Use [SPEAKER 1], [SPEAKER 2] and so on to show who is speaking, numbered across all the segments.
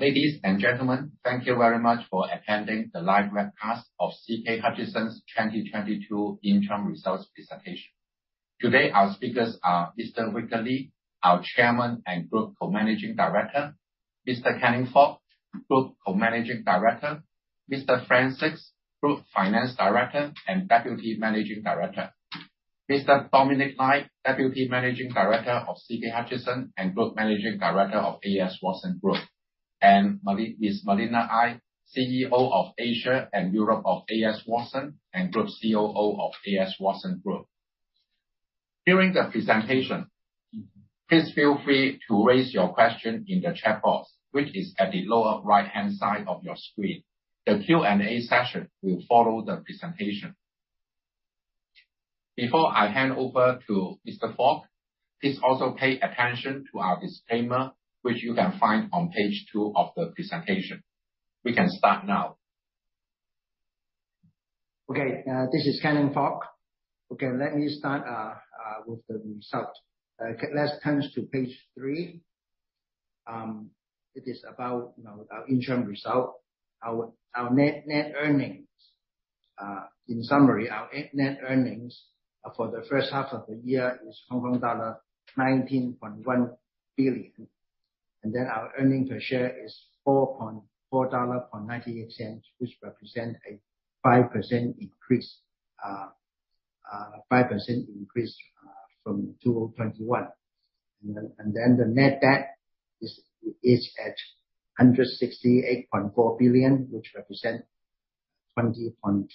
[SPEAKER 1] Ladies and gentlemen, thank you very much for attending the live webcast of CK Hutchison's 2022 interim results presentation. Today, our speakers are Mr. Victor Li, our Chairman and Group Co-Managing Director. Mr. Canning Fok, Group Co-Managing Director. Mr. Frank Sixt, Group Finance Director and Deputy Managing Director. Mr. Dominic Lai, Deputy Managing Director of CK Hutchison and Group Managing Director of A.S. Watson Group. Miss Malina Ngai, CEO of Asia and Europe of A.S. Watson and Group COO of A.S. Watson Group. During the presentation, please feel free to raise your question in the chat box, which is at the lower right-hand side of your screen. The Q&A session will follow the presentation. Before i hand over to Mr. Fok, please also pay attention to our disclaimer, which you can find on page two of the presentation. We can start now.
[SPEAKER 2] This is Canning Fok. Let me start with the results. Let's turn to page three. It is about, you know, our interim result. Our net earnings. In summary, our net earnings for the first half of the year is Hong Kong dollar 19.1 billion. Our earnings per share is 4.498 dollar, which represent a 5% increase from 2021. The net debt is at 168.4 billion, which represent 20.5%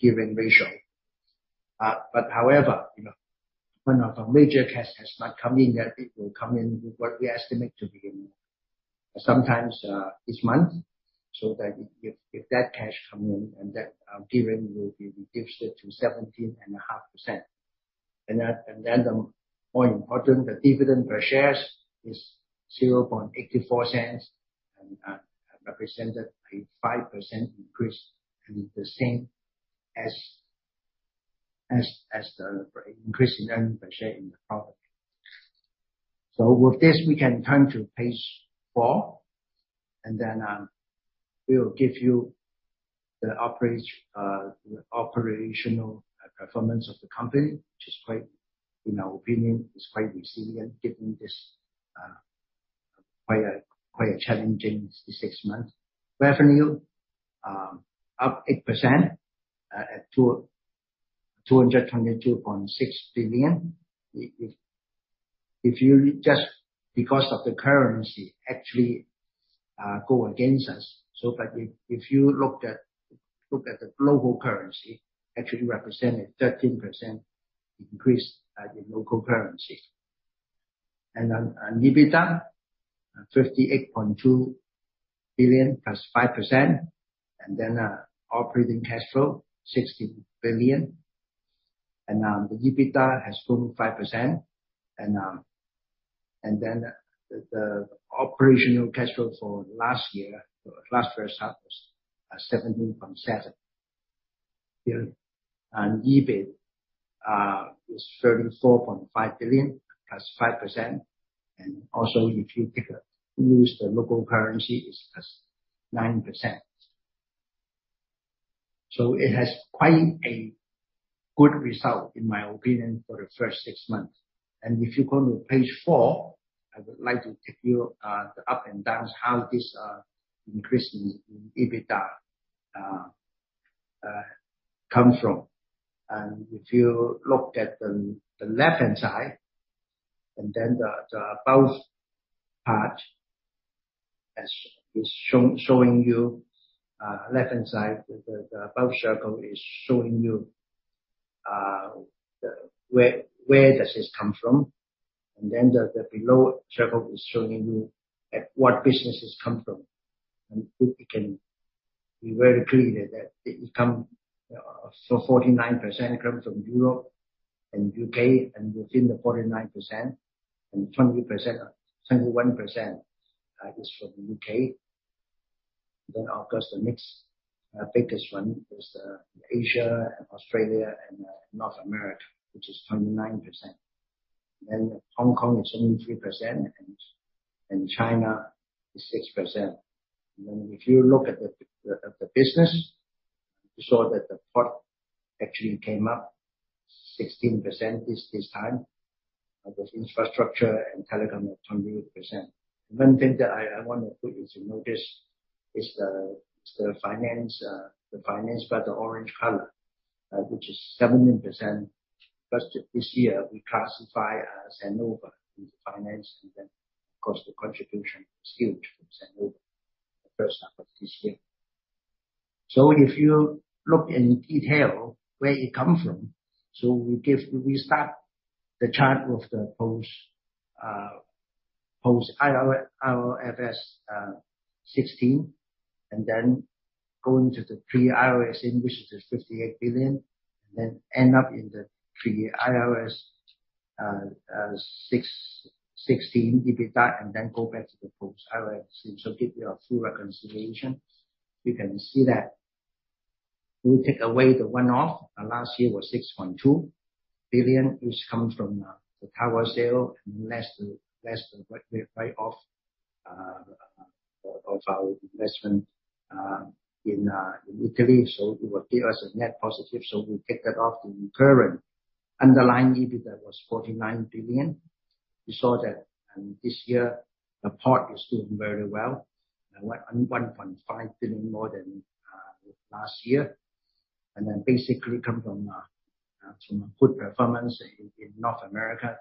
[SPEAKER 2] gearing ratio. But however, you know, one of our major cash has not come in, that it will come in with what we estimate to be sometime this month. That if that cash comes in and that gearing will be reduced to 17.5%. Then the more important, the dividend per share is 0.84% and represented a 5% increase and the same as the increase in earnings per share in the profit. With this, we can turn to page four, and then we'll give you the operational performance of the company. Which, in our opinion, is quite resilient given this, quite a challenging six months revenue up 8% at HKD 222.6 billion. It's just because of the currency actually go against us. If you look at the global currency, actually represented 13% increase in local currencies. EBITDA 38.2 billion +5%. Operating cash flow 60 billion. The EBITDA has grown 5%. The operational cash flow for last year, for last first half was HKD 17.7 billion. EBITDA was 34.5 billion, +5%. Also if you use the local currency is +9%. It has quite a good result in my opinion for the first six months. If you go to page four, I would like to take you the ups and downs, how this increase in EBITDA comes from. If you look at the left-hand side, then the above circle is showing you where this comes from. The below circle is showing you what businesses come from. It can be very clear that 49% comes from Europe and UK, and within the 49%, 21% is from UK. Of course the next biggest one is Asia and Australia and North America, which is 29%. Hong Kong is only 3% and China is 6%. If you look at the business, you saw that the ports actually came up 16% this time. With infrastructure and telecom at 28%. One thing that I wanna put you to notice is the finance by the orange color, which is 17%. First half of this year, we classify Cenovus into finance and then of course the contribution is huge from Cenovus the first half of this year. If you look in detail where it comes from, we give. We start the chart with the post-IFRS 16. Then go into the pre-IFRS in which is the 58 billion. Then end up in the pre-IFRS 16 EBITDA and then go back to the post-IFRS give you a full reconciliation. You can see that we take away the one-off. Last year was 6.2 billion, which come from the tower sale and less the write off of our investment in Italy so it will give us a net positive, so we take that off. The recurrent underlying EBITDA was 49 billion. We saw that this year the port is doing very well, 1.5 billion more than last year. Then basically come from a good performance in North America.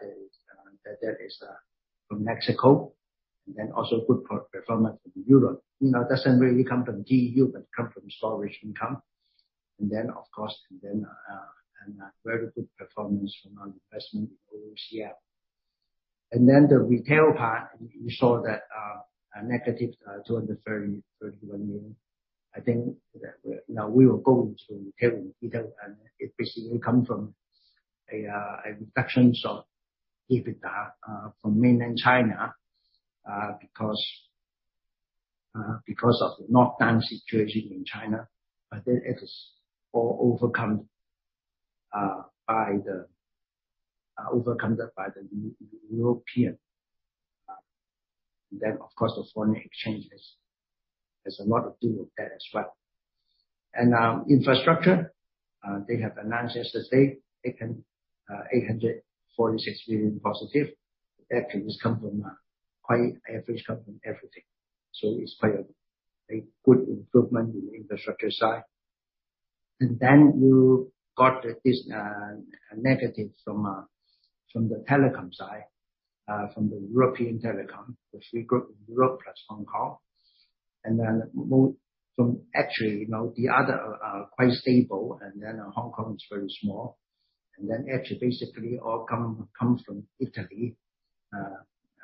[SPEAKER 2] That is from Mexico, and then also good performance in Europe. You know, it doesn't really come from GU, but it come from storage income. Then, of course, a very good performance from our investment in OOCL. The retail part, you saw that, a -231 million. Retail, it basically comes from a reduction of EBITDA from mainland China because of the lockdown situation in China. It is all overcome by Europe. Of course, the foreign exchange. There's a lot to do with that as well. Infrastructure, they have announced yesterday they came in at HKD 846+ million. That comes from a quite average from everything. It's quite a good improvement in the infrastructure side. You got this negative from the telecom side, from the European telecom, the Three Group, Europe plus Hong Kong. From actually, you know, the other are quite stable, and then Hong Kong is very small. Actually basically all come from Italy,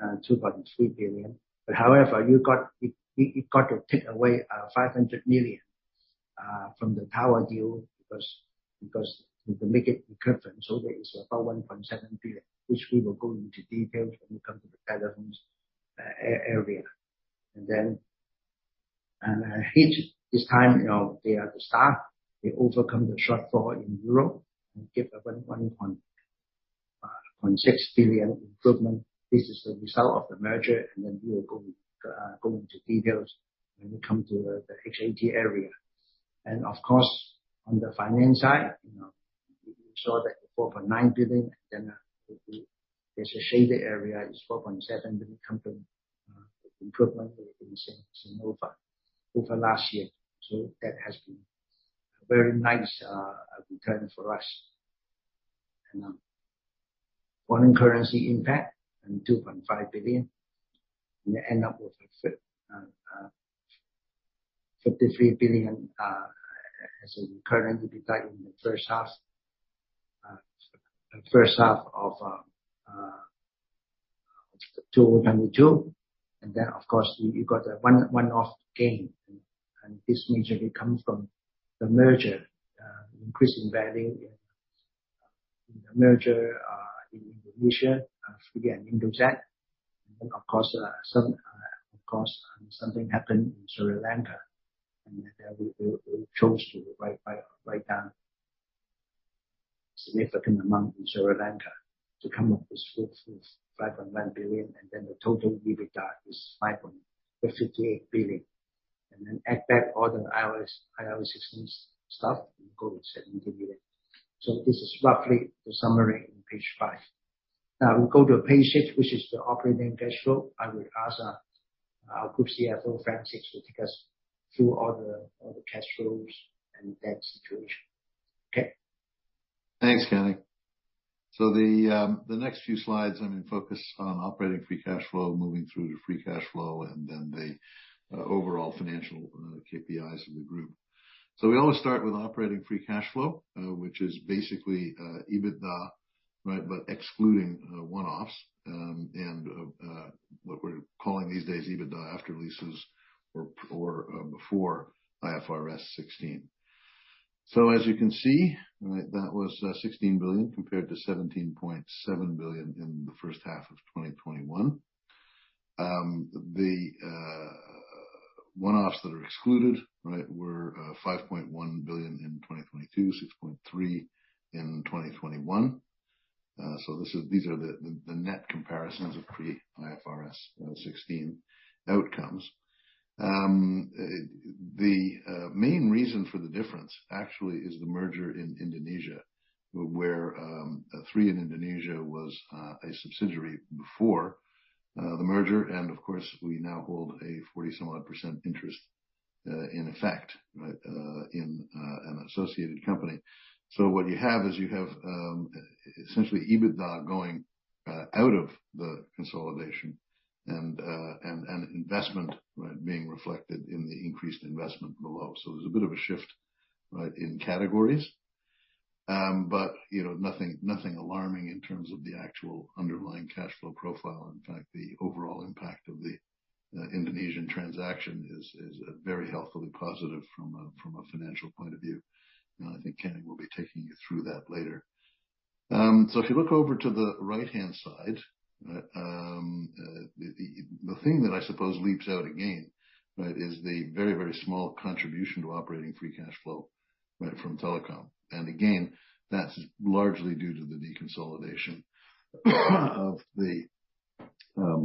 [SPEAKER 2] 2.3 billion. However, you got to take away 500 million from the tower deal because to make it equivalent, so that is about 1.7 billion, which we will go into detail when we come to the telecom area. HIT this time, you know, they are the staff. They overcome the shortfall in Europe and give a 1.6 billion improvement. This is the result of the merger, and then we will go into details when we come to the HIT area. Of course, on the finance side, you know, you saw that the 4.9 billion, and then, the, there's a shaded area is 4.7 billion come from, improvement over last year. That has been a very nice, return for us. Foreign currency impact and 2.5 billion. End up with a 53 billion, as a recurring EBITDA in the first half of 2022. Then, of course, you got the one-off gain. This majorly comes from the merger, increasing value in the merger, in Indonesia, Indosat Ooredoo Hutchison. Of course, something happened in Sri Lanka. We chose to write down significant amount in Sri Lanka to come up with 5.9 billion. The total EBITDA is 55.8 billion. Add back all the IFRS 16 stuff, and you go to 17 billion. This is roughly the summary in page five. Now we go to page six, which is the operating cash flow. I would ask our Group CFO, Frank Sixt, to take us through all the cash flows and debt situation. Okay.
[SPEAKER 3] Thanks, Canning. The next few slides I'm gonna focus on operating free cash flow, moving through to free cash flow and then the overall financial KPIs of the group. We always start with operating free cash flow, which is basically EBITDA, right? Excluding one-offs, and what we're calling these days, EBITDA after leases or before IFRS 16. As you can see, right? That was 16 billion compared to 17.7 billion in the first half of 2021. The one-offs that are excluded, right, were 5.1 billion in 2022, 6.3 billion in 2021. These are the net comparisons of pre-IFRS 16 outcomes. The main reason for the difference actually is the merger in Indonesia, where Three in Indonesia was a subsidiary before the merger of course, we now hold a 40-some-odd% interest, in effect, right? In an associated company. What you have is essentially EBITDA going out of the consolidation and investment, right? Being reflected in the increased investment below there's a bit of a shift, right, in categories. You know, nothing alarming in terms of the actual underlying cash flow profile in fact, the overall impact of the Indonesian transaction is very healthily positive from a financial point of view. I think Canning will be taking you through that later. If you look over to the right-hand side, right, the thing that I suppose leaps out again, right, is the very small contribution to operating free cash flow, right, from telecom. Again, that's largely due to the deconsolidation of the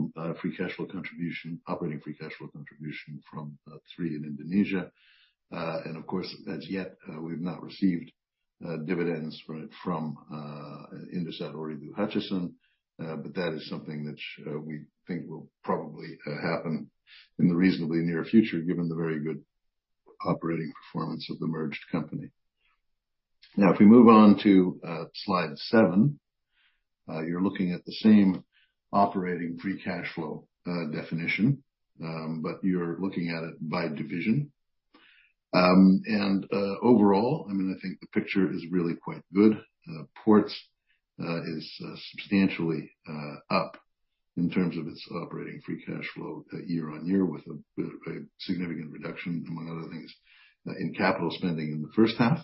[SPEAKER 3] operating free cash flow contribution from Three in Indonesia. Of course, as yet, we've not received dividends from Indosat Ooredoo Hutchison. But that is something which we think will probably happen in the reasonably near future given the very good operating performance of the merged company. Now, if we move on to slide seven, you're looking at the same operating free cash flow definition, but you're looking at it by division. Overall, I mean, I think the picture is really quite good. Ports is substantially up in terms of its operating free cash flow year-on-year with a bit of a significant reduction among other things in capital spending in the first half.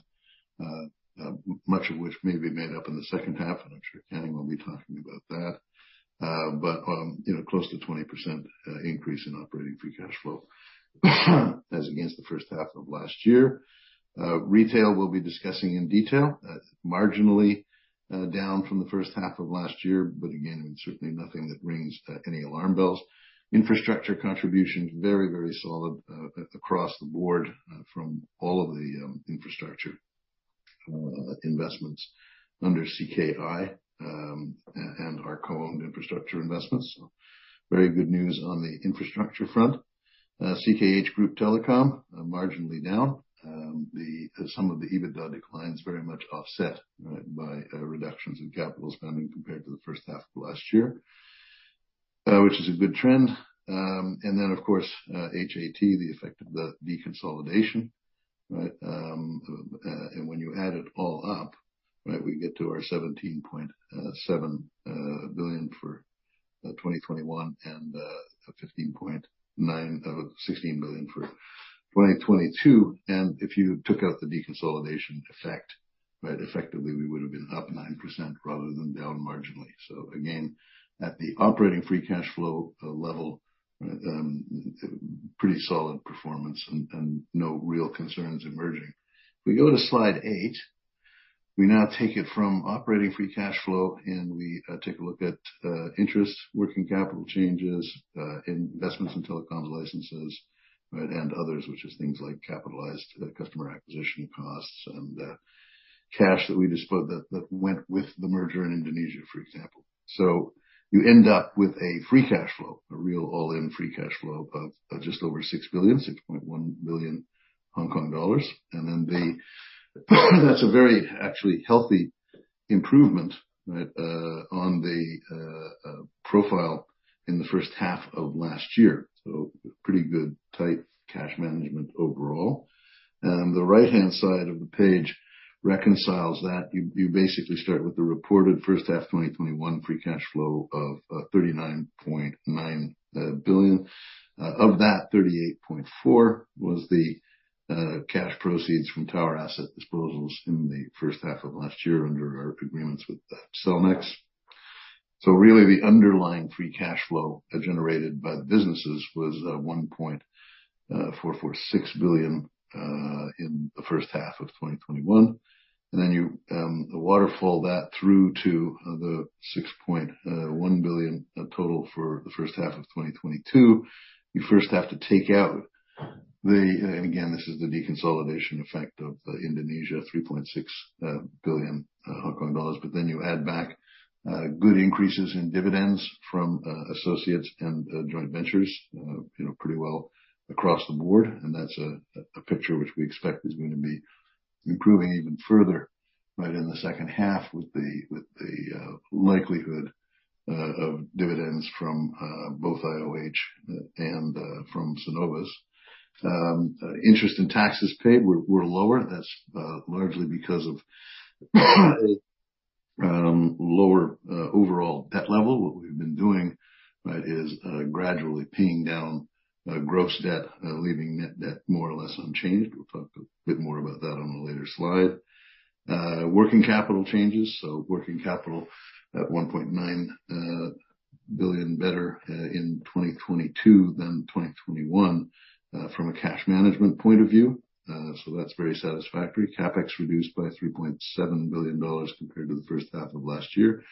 [SPEAKER 3] Much of which may be made up in the second half, and I'm sure Canning Fok will be talking about that. You know, close to 20% increase in operating free cash flow as against the first half of last year. Retail we'll be discussing in detail. Marginally down from the first half of last year, but again, certainly nothing that rings any alarm bells. Infrastructure contributions very, very solid across the board from all of the infrastructure investments under CKI, and our co-owned infrastructure investments. Very good news on the infrastructure front. CKH Group Telecom marginally down. Some of the EBITDA decline is very much offset, right, by reductions in capital spending compared to the first half of last year, which is a good trend. And then, of course, HAT, the effect of the deconsolidation, right. And when you add it all up, right, we get to our 17.7 billion for 2021 and 16 billion for 2022 if you took out the deconsolidation effect, right, effectively we would have been up 9% rather than down marginally again, at the operating free cash flow level, pretty solid performance and no real concerns emerging. If we go to slide eight, we now take it from operating free cash flow, and we take a look at interest, working capital changes, investments in telecoms licenses, right, and others, which is things like capitalized customer acquisition costs and cash that went with the merger in Indonesia, for example. You end up with a free cash flow, a real all-in free cash flow of just over 6 billion, 6.1 billion Hong Kong dollars. That's a very actually healthy improvement, right, on the profile in the first half of last year. Pretty good tight cash management overall. The right-hand side of the page reconciles that you basically start with the reported first half 2021 free cash flow of 39.9 billion. Of that, 38.4 billion was the cash proceeds from tower asset disposals in the first half of last year under our agreements with Cellnex. Really the underlying free cash flow generated by the businesses was 1.446 billion in the first half of 2021. Then you waterfall that through to the 6.1 billion total for the first half of 2022. You first have to take out the, and again, this is the deconsolidation effect of the Indonesia 3.6 billion Hong Kong dollars. Then you add back good increases in dividends from associates and joint ventures, you know, pretty well across the board that's a picture which we expect is gonna be improving even further right in the second half with the likelihood of dividends from both IOH and from Cenovus. Interest and taxes paid were lower that's largely because of lower overall debt level what we've been doing, right, is gradually paying down gross debt, leaving net debt more or less unchanged we'll talk a bit more about that on a later slide. Working capital changes. Working capital at 1.9 billion better in 2022 than 2021 from a cash management point of view. That's very satisfactory CapEx reduced by $3.7 billion compared to the first half of last year.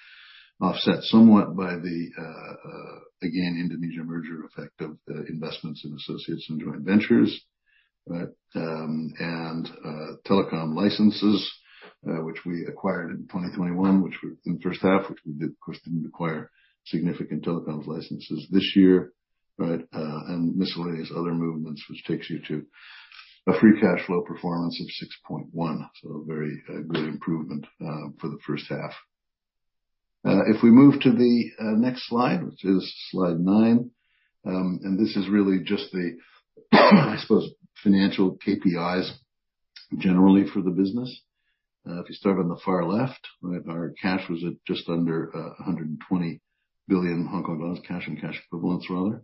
[SPEAKER 3] Offset somewhat by the again Indonesia merger effect of investments in associates and joint ventures and telecom licenses which we acquired in 2021 in the first half, which we did, of course, didn't require significant telecom licenses this year, right? And miscellaneous other movements, which takes you to a free cash flow performance of 6.1 billion very good improvement for the first half. If we move to the next slide, which is slide nine, and this is really just the I suppose financial KPIs generally for the business. If you start on the far left, our cash was at just under 120 billion Hong Kong dollars, cash and cash equivalents rather.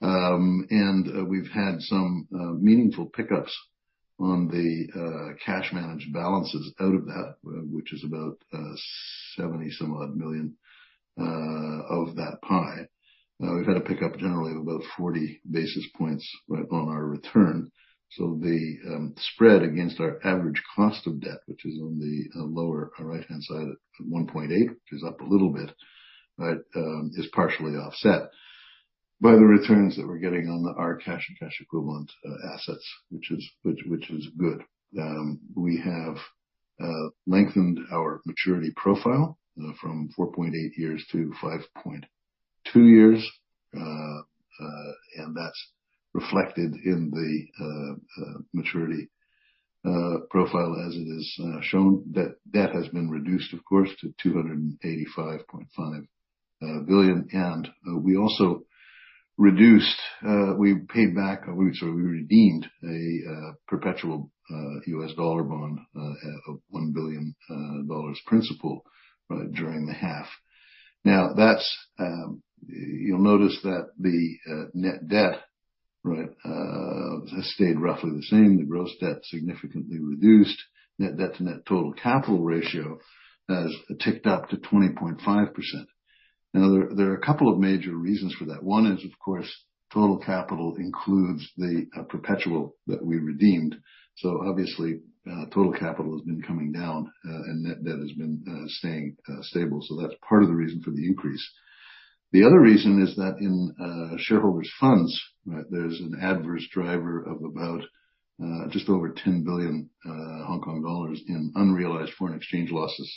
[SPEAKER 3] We've had some meaningful pickups on the cash managed balances out of that, which is about 70 million of that pie. Now we've had to pick up generally about 40 basis points right on our return. The spread against our average cost of debt, which is on the lower right-hand side at 1.8%, which is up a little bit, but is partially offset by the returns that we're getting on our cash and cash equivalent assets, which is good. We have lengthened our maturity profile from 4.8 years to 5.2 years. That's reflected in the maturity profile as it is shown debt has been reduced, of course, to 285.5 billion. We redeemed a perpetual US dollar bond of $1 billion principal during the half. You'll notice that the net debt, right, has stayed roughly the same the gross debt significantly reduced. Net debt to net total capital ratio has ticked up to 20.5%. There are a couple of major reasons for that one is, of course, total capital includes the perpetual that we redeemed. Obviously, total capital has been coming down, and net debt has been staying stable that's part of the reason for the increase. The other reason is that in shareholders funds, right? There's an adverse driver of about just over 10 billion Hong Kong dollars in unrealized foreign exchange losses,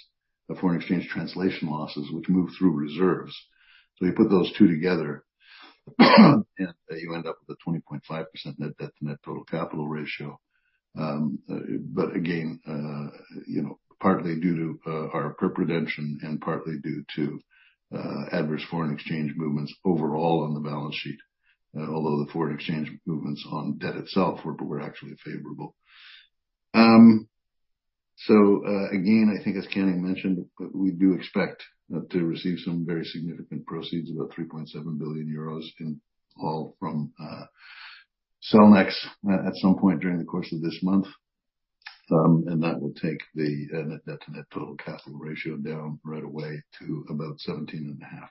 [SPEAKER 3] foreign exchange translation losses, which move through reserves. You put those two together, and you end up with a 20.5% net debt to net total capital ratio. Again, you know, partly due to our prudence and partly due to adverse foreign exchange movements overall on the balance sheet, although the foreign exchange movements on debt itself were actually favorable. Again, I think as Canning mentioned, we do expect to receive some very significant proceeds, about 3.7 billion euros in all from Cellnex at some point during the course of this month. That will take the net debt to net total capital ratio down right away to about 17.5%.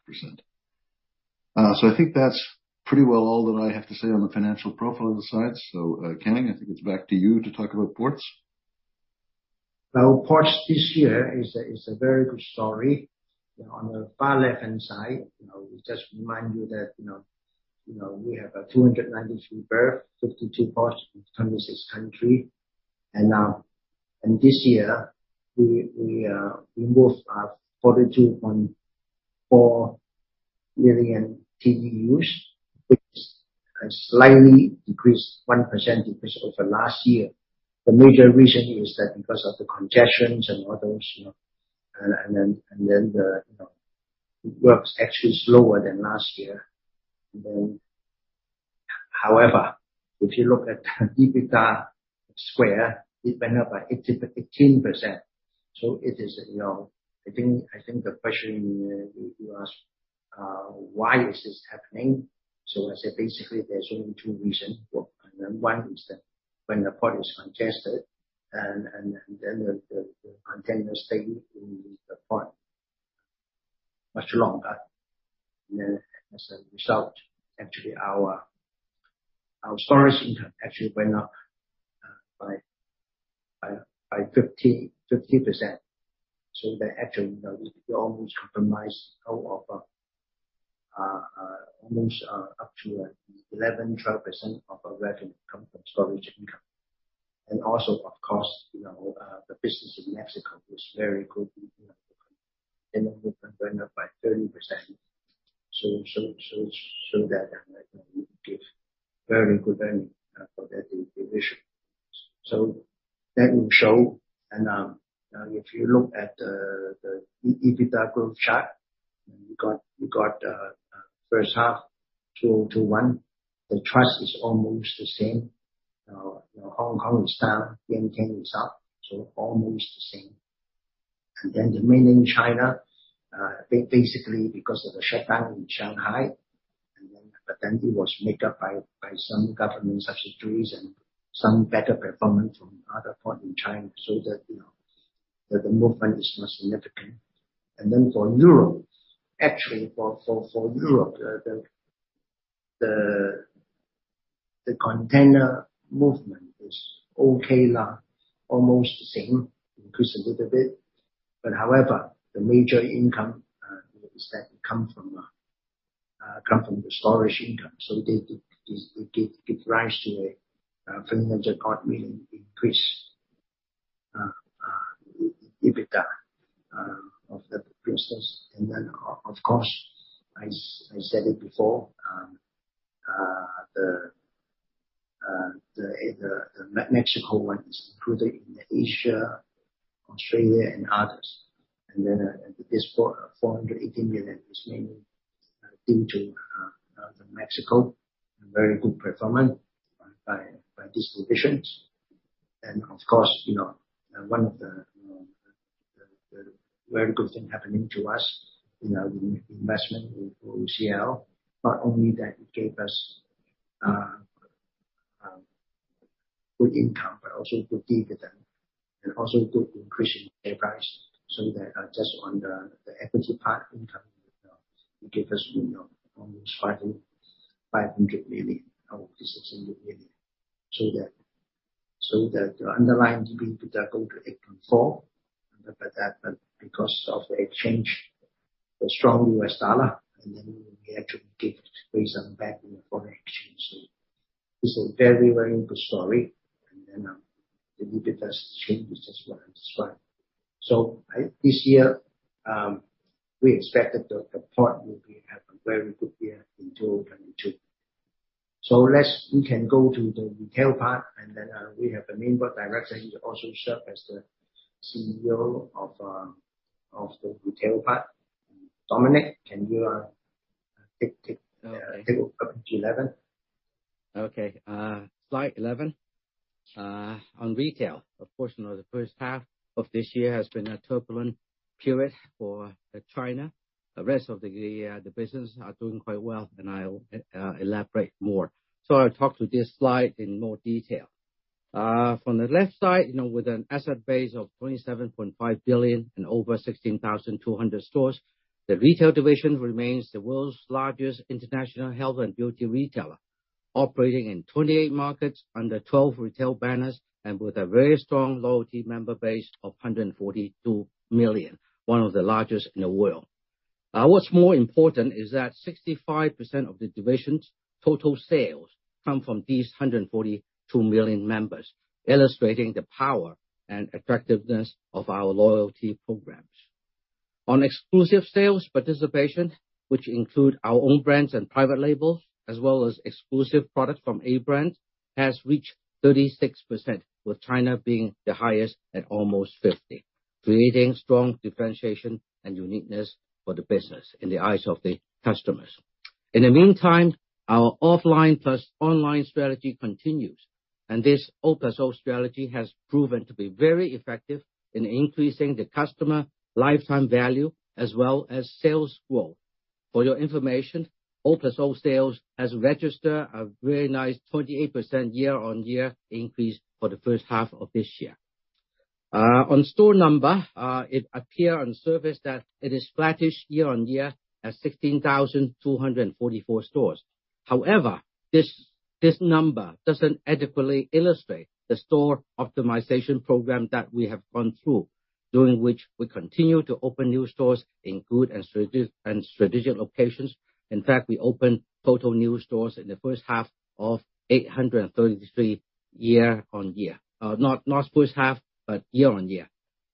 [SPEAKER 3] I think that's pretty well all that I have to say on the financial profile of the site. Canning, I think it's back to you to talk about ports.
[SPEAKER 2] Now, ports this year is a very good story. On the far left-hand side, we just remind you that we have 293 berths, 52 ports in 36 countries. This year we moved 42.4 million TEUs, which is a slightly decreased 1% decrease over last year. The major reason is that because of the congestions and others. It works actually slower than last year. However, if you look at EBITDA, it went up by 8% to 15%. It is, you know, I think the question you ask, why is this happening? I said, basically, there's only two reasons one is that when the port is congested and then the container stay in the port much longer. Then as a result, actually our storage income actually went up by 15%. That actually, you know, almost up to 11% to 12% of our revenue comes from storage income. Also, of course, you know, the business in Mexico is very good. The movement went up by 30%. That gives very good earnings for that division. That will show. If you look at the EBITDA growth chart, you got first half 2021, the result is almost the same. Hong Kong is down, Yantian is up. Almost the same. The Mainland China basically because of the shutdown in Shanghai. It was made up by some government subsidies and some better performance from other ports in China, so that, you know, the movement is more significant. For Europe, actually for Europe, the container movement is okay now, almost the same, increased a little bit. However, the major income is that it come from the storage income so it give rise to a favorable HKD 40 million increase in EBITDA of the business then of course, I said it before, the Mexico one is included in Asia, Australia and others. This 418 million is mainly due to the Mexico, very good performance by these divisions. Of course, you know, one of the very good things happening to us. You know, investment with OOCL, not only that it gave us good income, but also good dividend and also good increase in share price. So that just on the equity part income, it gave us, you know, almost 500 million out of the 16 billion. So that the underlying EBITDA goes to $8.4. But because of the exchange, the strong US dollar, and then we had to give some back in the foreign exchange. So it's a very good story. The EBITDA stream is just what I described. This year, we expected the port will be at a very good year in 2022. We can go to the retail part, and then we have the main board director he also serve as the CEO of the retail part. Dominic, can you take page eleven.
[SPEAKER 4] Okay. Slide eleven. On retail, of course, you know, the first half of this year has been a turbulent period for China. The rest of the business are doing quite well, and I'll elaborate more. I'll talk to this slide in more detail. From the left side, you know, with an asset base of 27.5 billion and over 16,200 stores, the retail division remains the world's largest international health and beauty retailer. Operating in 28 markets under 12 retail banners and with a very strong loyalty member base of 142 million, one of the largest in the world. What's more important is that 65% of the division's total sales come from these 142 million members, illustrating the power and effectiveness of our loyalty programs. On exclusive sales participation, which include our own brands and private labels, as well as exclusive products from AS brand, has reached 36%, with China being the highest at almost 50%, creating strong differentiation and uniqueness for the business in the eyes of the customers. In the meantime, our offline plus online strategy continues, and this O+O strategy has proven to be very effective in increasing the customer lifetime value as well as sales growth. For your information, O+O sales has registered a very nice 48% year-on-year increase for the first half of this year. On store number, it appears on the surface that it is flattish year-on-year at 16,244 stores. However, this number doesn't adequately illustrate the store optimization program that we have gone through, during which we continue to open new stores in good and strategic locations. In fact, we opened total new stores of 833 year-on-year, not first half, but year-on-year.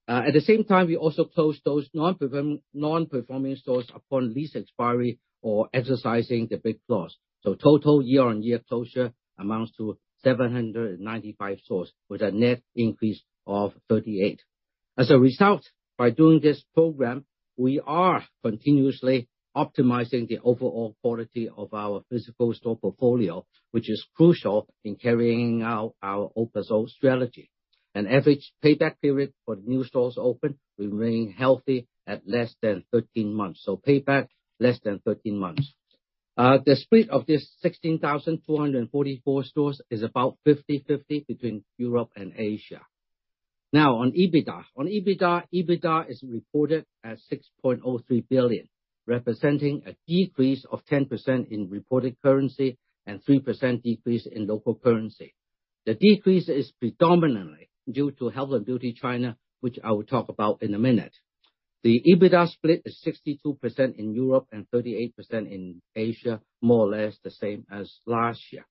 [SPEAKER 4] At the same time, we also closed those non-performing stores upon lease expiry or exercising the break clause. Total year-on-year closure amounts to 795 stores, with a net increase of 38. As a result, by doing this program, we are continuously optimizing the overall quality of our physical store portfolio, which is crucial in carrying out our O+O strategy. An average payback period for the new stores opened will remain healthy at less than 13 months so payback less than 13 months. The split of these 16,244 stores is about 50/50 between Europe and Asia. Now on EBITDA. On EBITDA is reported at 6.03 billion, representing a decrease of 10% in reported currency and 3% decrease in local currency. The decrease is predominantly due to Health and Beauty China, which I will talk about in a minute. The EBITDA split is 62% in Europe and 38% in Asia, more or less the same as last year.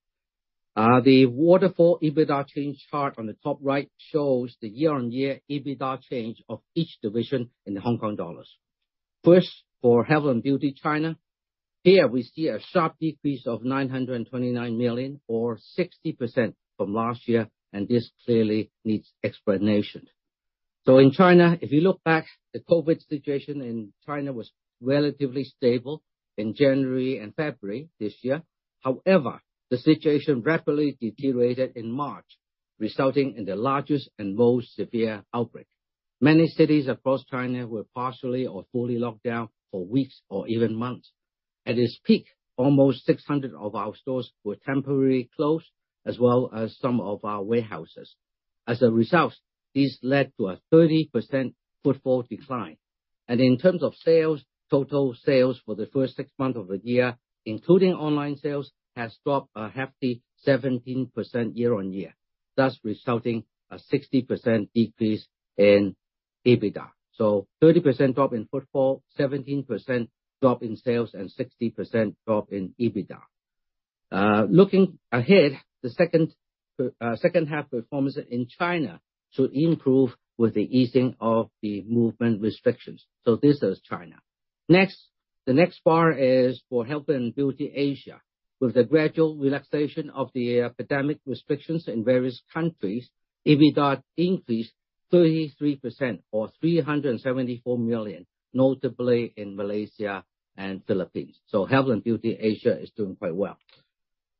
[SPEAKER 4] The waterfall EBITDA change chart on the top right shows the year-on-year EBITDA change of each division in the Hong Kong dollars. First, for Health and Beauty China. Here we see a sharp decrease of 929 million or 60% from last year, and this clearly needs explanation. In China, if you look back, the COVID situation in China was relatively stable in January and February this year. However, the situation rapidly deteriorated in March, resulting in the largest and most severe outbreak. Many cities across China were partially or fully locked down for weeks or even months. At its peak, almost 600 of our stores were temporarily closed, as well as some of our warehouses. As a result, this led to a 30% footfall decline. In terms of sales, total sales for the first six months of the year, including online sales, has dropped a hefty 17% year-on-year, thus resulting a 60% decrease in EBITDA. 30% drop in footfall, 17% drop in sales, and 60% drop in EBITDA. Looking ahead, the second half performance in China should improve with the easing of the movement restrictions. This is China. Next. The next part is for Health and Beauty Asia. With the gradual relaxation of the epidemic restrictions in various countries, EBITDA increased 33% or 374 million, notably in Malaysia and Philippines. Health and Beauty Asia is doing quite well.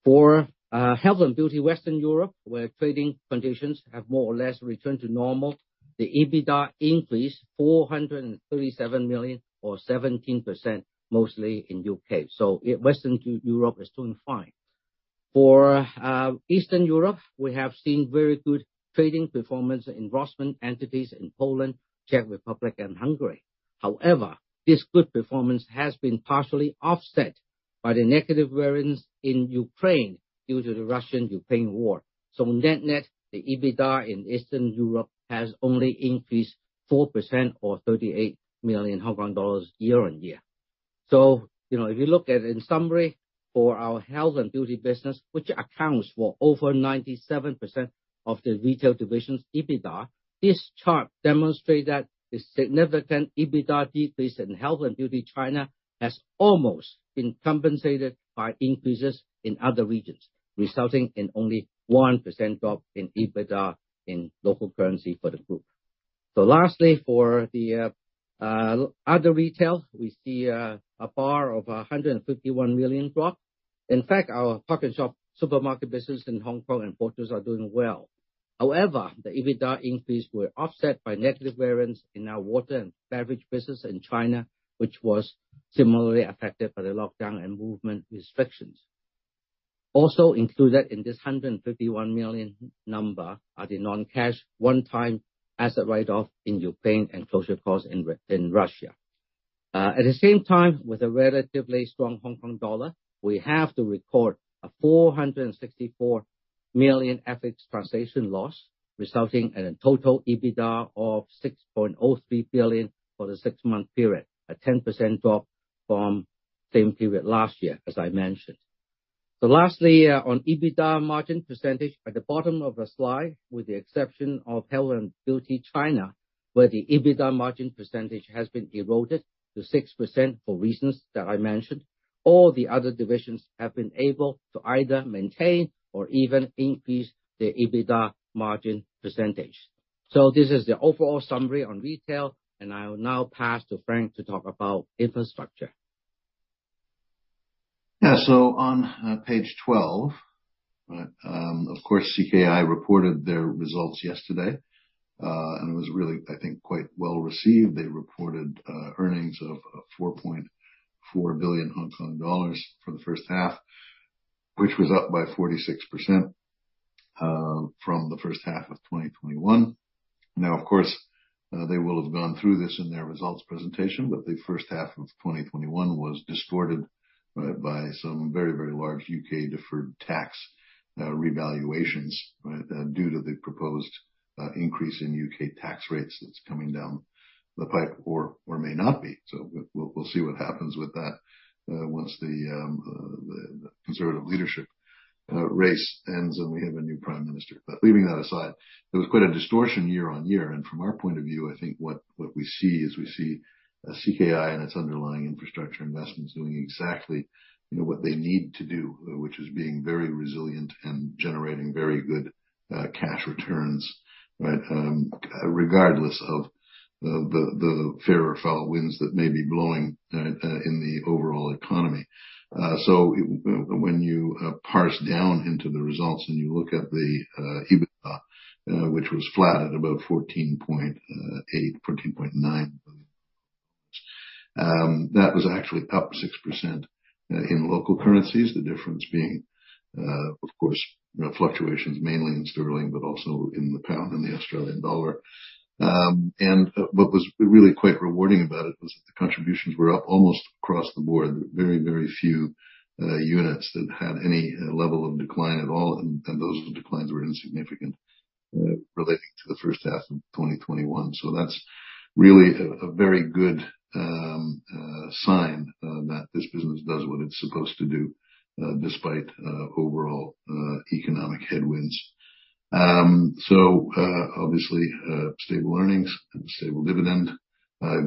[SPEAKER 4] For Health and Beauty Western Europe, where trading conditions have more or less returned to normal, the EBITDA increased 437 million or 17%, mostly in U.K. Western Europe is doing fine. For Eastern Europe, we have seen very good trading performance in investment entities in Poland, Czech Republic and Hungary. However, this good performance has been partially offset by the negative variance in Ukraine due to the Russian-Ukrainian war. Net-net, the EBITDA in Eastern Europe has only increased 4% or 38 million Hong Kong dollars year-on-year. You know, if you look at, in summary for our health and beauty business, which accounts for over 97% of the retail division's EBITDA, this chart demonstrates that the significant EBITDA decrease in health and beauty China has almost been compensated by increases in other regions, resulting in only 1% drop in EBITDA in local currency for the group. Lastly, for the other retail, we see a bar of a 151 million drop. In fact, our PARKnSHOP supermarket business in Hong Kong and others are doing well. However, the EBITDA increase were offset by negative variance in our Watsons Water and beverage business in China, which was similarly affected by the lockdown and movement restrictions. Also included in this 151 million number are the non-cash one-time asset write-off in Ukraine and closure costs in Russia. At the same time, with a relatively strong Hong Kong dollar, we have to record a 464 million FX translation loss, resulting in a total EBITDA of 6.03 billion for the six-month period, a 10% drop from same period last year, as I mentioned. Lastly, on EBITDA margin percentage at the bottom of the slide, with the exception of health and beauty China, where the EBITDA margin percentage has been eroded to 6% for reasons that I mentioned, all the other divisions have been able to either maintain or even increase their EBITDA margin percentage. This is the overall summary on retail, and I will now pass to Frank to talk about infrastructure.
[SPEAKER 3] On page twelve, right? Of course, CKI reported their results yesterday, and it was really, I think, quite well-received they reported earnings of 4.4 billion Hong Kong dollars for the first half, which was up by 46% from the first half of 2021. Now, of course, they will have gone through this in their results presentation, but the first half of 2021 was distorted by some very, very large U.K. deferred tax revaluations, right? Due to the proposed increase in U.K. tax rates that's coming down. The pipe or may not be we'll see what happens with that once the conservative leadership race ends, and we have a new prime minister leaving that aside, there was quite a distortion year-on-year from our point of view, I think what we see is CKI and its underlying infrastructure investments doing exactly, you know, what they need to do, which is being very resilient and generating very good cash returns, right? Regardless of the fair or foul winds that may be blowing in the overall economy. When you parse down into the results and you look at the EBITDA, which was flat at about 14.8 billion, 14.9billion. That was actually up 6% in local currencies the difference being, of course, you know, fluctuations mainly in sterling but also in the pound and the Australian dollar. What was really quite rewarding about it was that the contributions were up almost across the board. Very, very few units that had any level of decline at all, and those declines were insignificant, relating to the first half of 2021. That's really a very good sign that this business does what it's supposed to do, despite overall economic headwinds. Obviously, stable earnings and stable dividend. A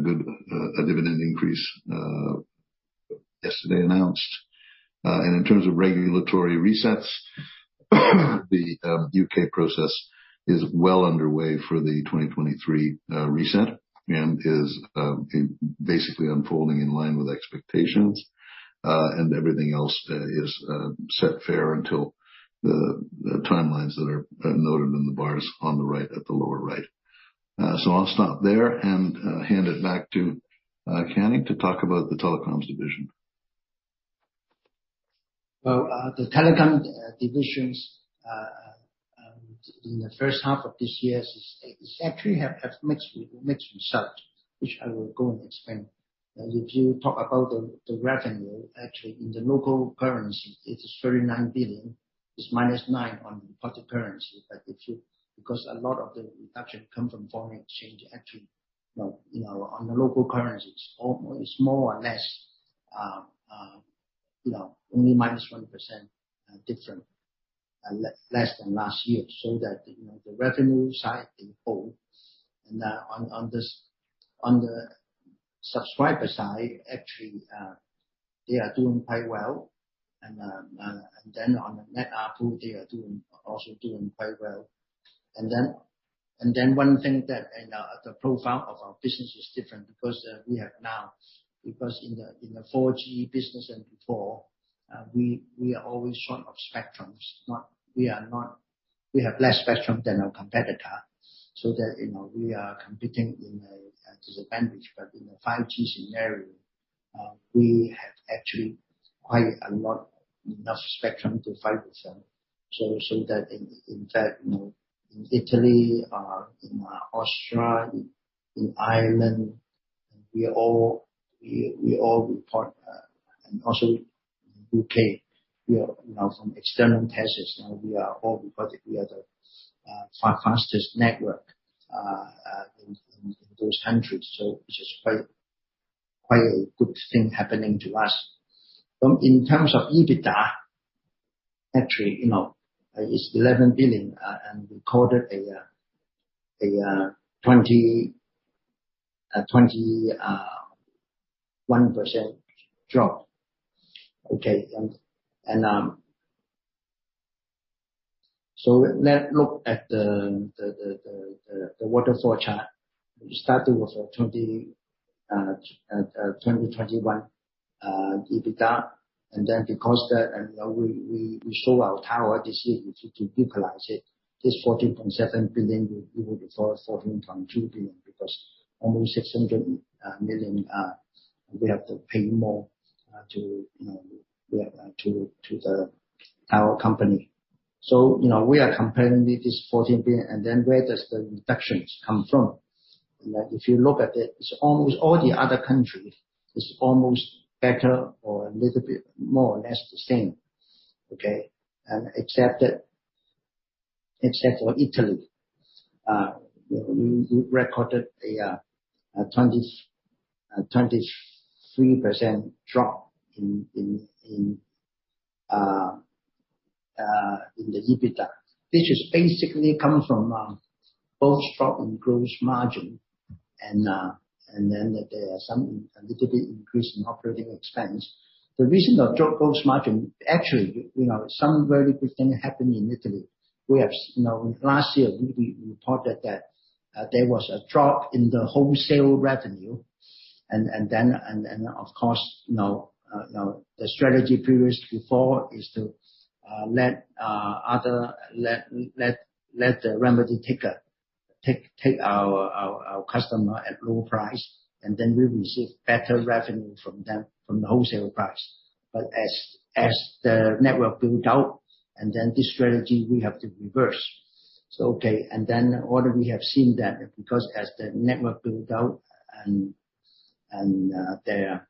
[SPEAKER 3] dividend increase announced yesterday. In terms of regulatory resets, the U.K. process is well underway for the 2023 reset and is basically unfolding in line with expectations. Everything else is set fair until the timelines that are noted in the bars on the right, at the lower right. I'll stop there and hand it back to Canning to talk about the telecoms division.
[SPEAKER 4] Well, the telecom divisions in the first half of this year actually have mixed results, which I will go and explain. If you talk about the revenue, actually in the local currency, it is 9 billion. It's minus 9% on the reporting currency. Because a lot of the reduction come from foreign exchange, actually, you know, on the local currencies, all is more or less, you know, only minus 1%, less than last year that, you know, the revenue side as a whole. On the subscriber side, actually, they are doing quite well. And then on the net ARPU, they are also doing quite well. And then- One thing that the profile of our business is different because in the 4G business and before, we are always short of spectrum. We have less spectrum than our competitor, so you know, we are competing at a disadvantage in the 5G scenario, we have actually quite a lot enough spectrum to fight with them. In fact, you know, in Italy, in Austria, in Ireland, and also in the U.K., we are now reported by external testers as the fastest network in those countries this is quite a good thing happening to us.
[SPEAKER 2] In terms of EBITDA, actually, you know, it's 11 billion, and we recorded a 21% drop. Okay. Let's look at the waterfall chart. We started with 2021 EBITDA. Then because that, you know, we sold our tower this year to equalize it. This 14.7 billion will be before 14.2 billion, because almost 600 million we have to pay more to the tower company. You know, we are comparing with this 14 billion and then where does the reductions come from? That if you look at it's almost all the other countries. It's almost better or a little bit more or less the same. Okay. Except for Italy, we recorded a 23% drop in the EBITDA. This is basically come from both drop in gross margin and then there are some a little bit increase in operating expense. The reason of drop gross margin, actually, you know, some very good thing happened in Italy. We have. You know, last year we reported that there was a drop in the wholesale revenue and then, and of course, you know, the strategy previous before is to let the remedy taker take our customer at low price and then we receive better revenue from them, from the wholesale price. But as the network build out and then this strategy we have to reverse. What we have seen that because as the network build out and their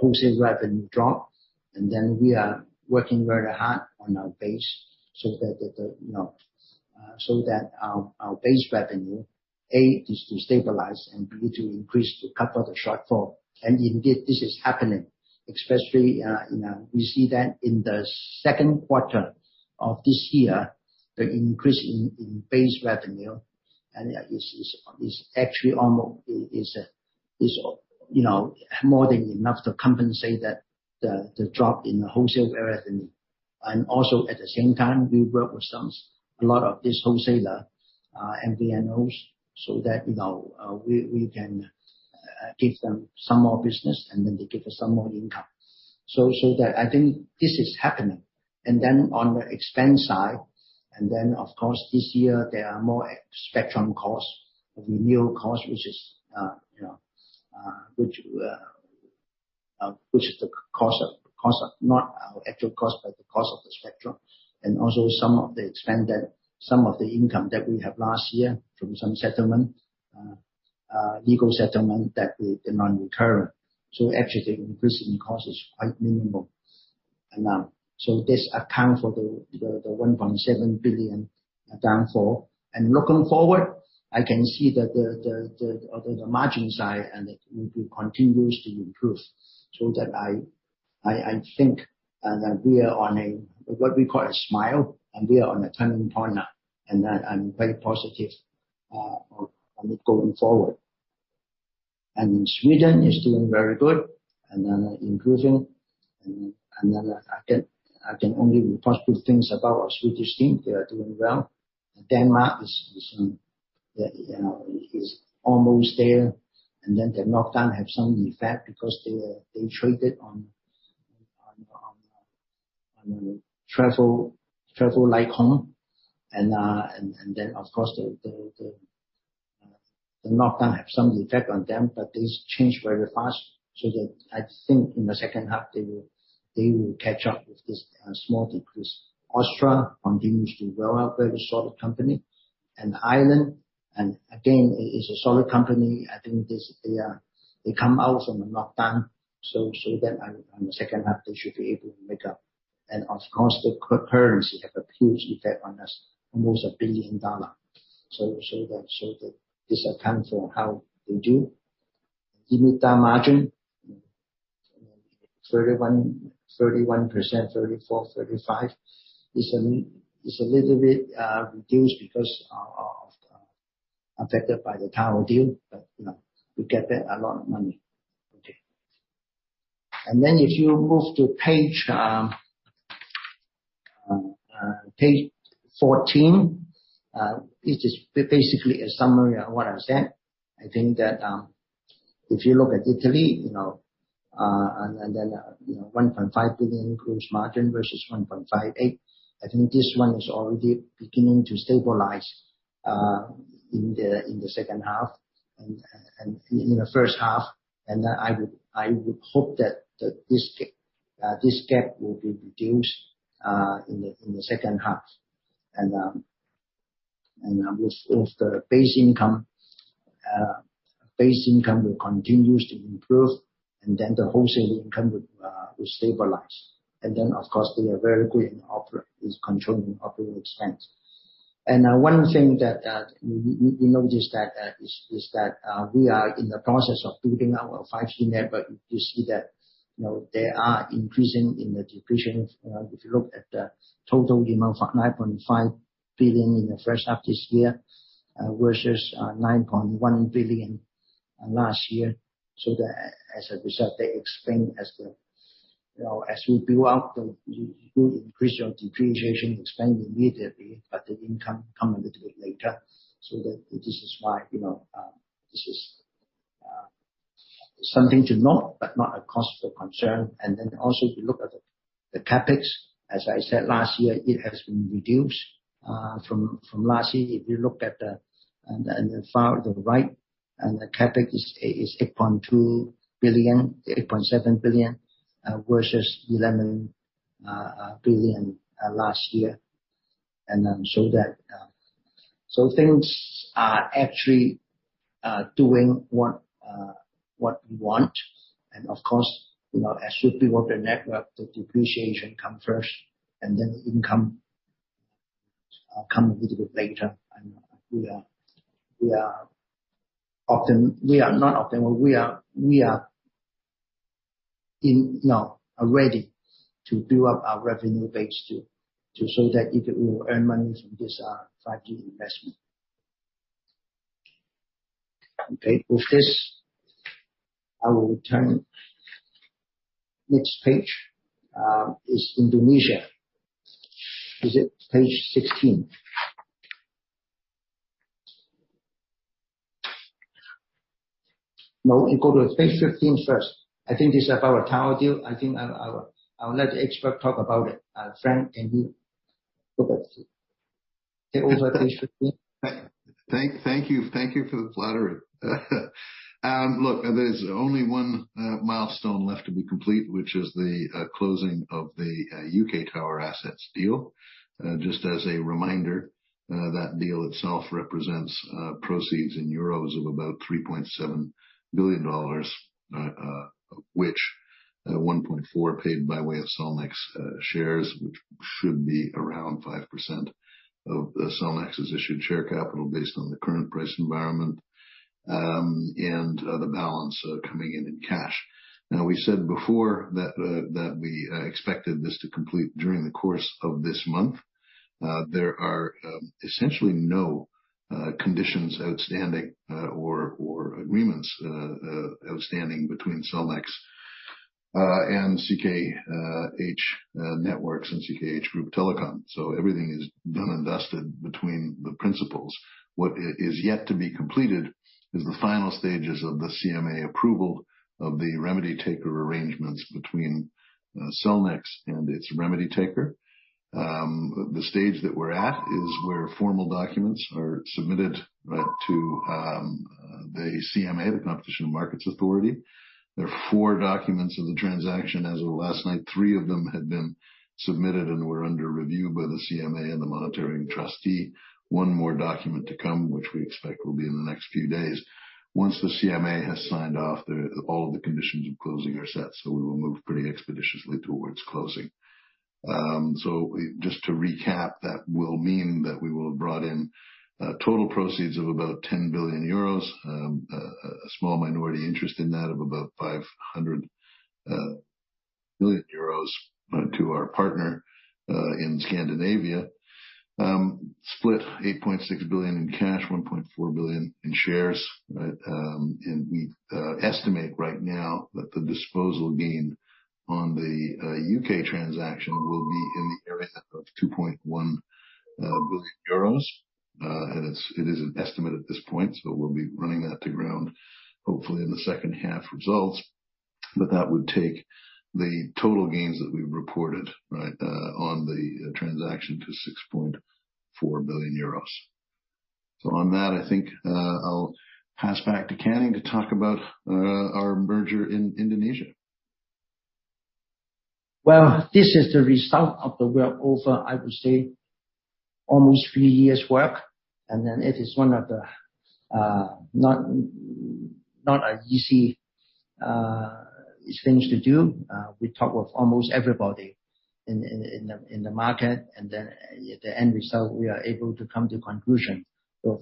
[SPEAKER 2] wholesale revenue drop, and then we are working very hard on our base so that the you know so that our base revenue, A, is to stabilize and B, to increase to cover the shortfall. Indeed, this is happening especially you know we see that in the Q2 of this year, the increase in base revenue and is actually almost is you know more than enough to compensate the drop in the wholesale revenue. Also at the same time, we work with some a lot of this wholesaler MVNOs, so that you know we can give them some more business and then they give us some more income. I think this is happening. On the expense side, of course, this year there are more spectrum costs, renewal costs, which is the cost of not our actual cost, but the cost of the spectrum. Also some of the expense that some of the income that we have last year from some legal settlement they're non-recurring. Actually the increase in cost is quite minimal amount. This account for the 1.7 billion downfall. Looking forward, I can see that the margin side and it will be continues to improve. I think that we are on a what we call a smile, and we are on a turning point now, and I'm very positive on it going forward. Sweden is doing very good and improving, and then I can only report good things about our Swedish team they are doing well. Denmark is, you know, almost there. The lockdown have some effect because they traded on travel icon, and then of course the lockdown have some effect on them, but this change very fast. I think in the second half they will catch up with this small decrease. Austria continues to well, a very solid company and Ireland, and again, it's a solid company i think this, they come out from the lockdown. That on the second half they should be able to make up. Of course the currency have a huge effect on us, almost $1 billion. That this accounts for how they do. EBITDA margin 31%, 34% to 35%. It's a little bit reduced because of affected by the tower deal. You know, we get back a lot of money. If you move to page 14, it is basically a summary of what i said. I think that if you look at Italy, you know, and then you know, 1.5 billion gross margin versus 1.58 billion. I think this one is already beginning to stabilize in the second half and in the first half. I would hope that this gap will be reduced in the second half. With the base income will continue to improve, and then the wholesale income will stabilize. Of course, we are very good in controlling operating expense. One thing that we noticed is that we are in the process of building our 5G network. You see that, you know, there is an increase in the depreciation you know, if you look at the total amount, 9.5 billion in the first half this year versus 9.1 billion last year. As a result, you know, as we build out the you increase your depreciation expense immediately, but the income come a little bit later. That this is why, you know, this is something to note, but not a cause for concern then also, if you look at the CapEx, as I said, last year, it has been reduced from last year. If you look at the file to the right, the CapEx is 8.2 billion, 8.7 billion versus 11 billion last year. Things are actually doing what we want. Of course, you know, as we build the network, the depreciation come first and then income come a little bit later. We are not optimal, we are in, you know, ready to build up our revenue base to show that it will earn money from this 5G investment. Okay with this, I will return. Next page is Indonesia. Is it page 16? No, we go to page 15 first. I think this is about our tower deal. I think I'll let the expert talk about it. Frank, can you go back to go over page 15.
[SPEAKER 3] Thank you. Thank you for the flattery. Look, there's only one milestone left to be complete, which is the closing of the UK tower assets deal. Just as a reminder, that deal itself represents proceeds in euros of about EUR 3.7 billion, which 1.4 billion paid by way of Cellnex shares which should be around 5% of Cellnex's issued share capital based on the current price environment, and the balance coming in in cash. Now we said before that we expected this to complete during the course of this month. There are essentially no conditions outstanding or agreements outstanding between Cellnex and CK Hutchison Networks and CKH Group Telecom. Everything is done and dusted between the principals. What is yet to be completed is the final stages of the CMA approval of the remedy taker arrangements between Cellnex and its remedy taker. The stage that we're at is where formal documents are submitted to the CMA, the Competition and Markets Authority. There are four documents in the transaction as of last night, three of them had been submitted and were under review by the CMA and the monitoring trustee. One more document to come, which we expect will be in the next few days. Once the CMA has signed off, all of the conditions of closing are set, so we will move pretty expeditiously towards closing. Just to recap, that will mean that we will have brought in total proceeds of about 10 billion euros. A small minority interest in that of about 500 billion euros to our partner in Scandinavia. Split 8.6 billion in cash, 1.4 billion in shares. We estimate right now that the disposal gain on the UK transaction will be in the area of 2.1 billion euros. It is an estimate at this point, so we'll be running that to ground, hopefully in the second half results. That would take the total gains that we've reported, right, on the transaction to 6.4 billion euros. On that, I think, I'll pass back to Canning Fok to talk about our merger in Indonesia.
[SPEAKER 2] Well, this is the result of the work over, I would say, almost three years work, and then it is one of the not an easy things to do. We talked with almost everybody in the market, and then the end result, we are able to come to a conclusion of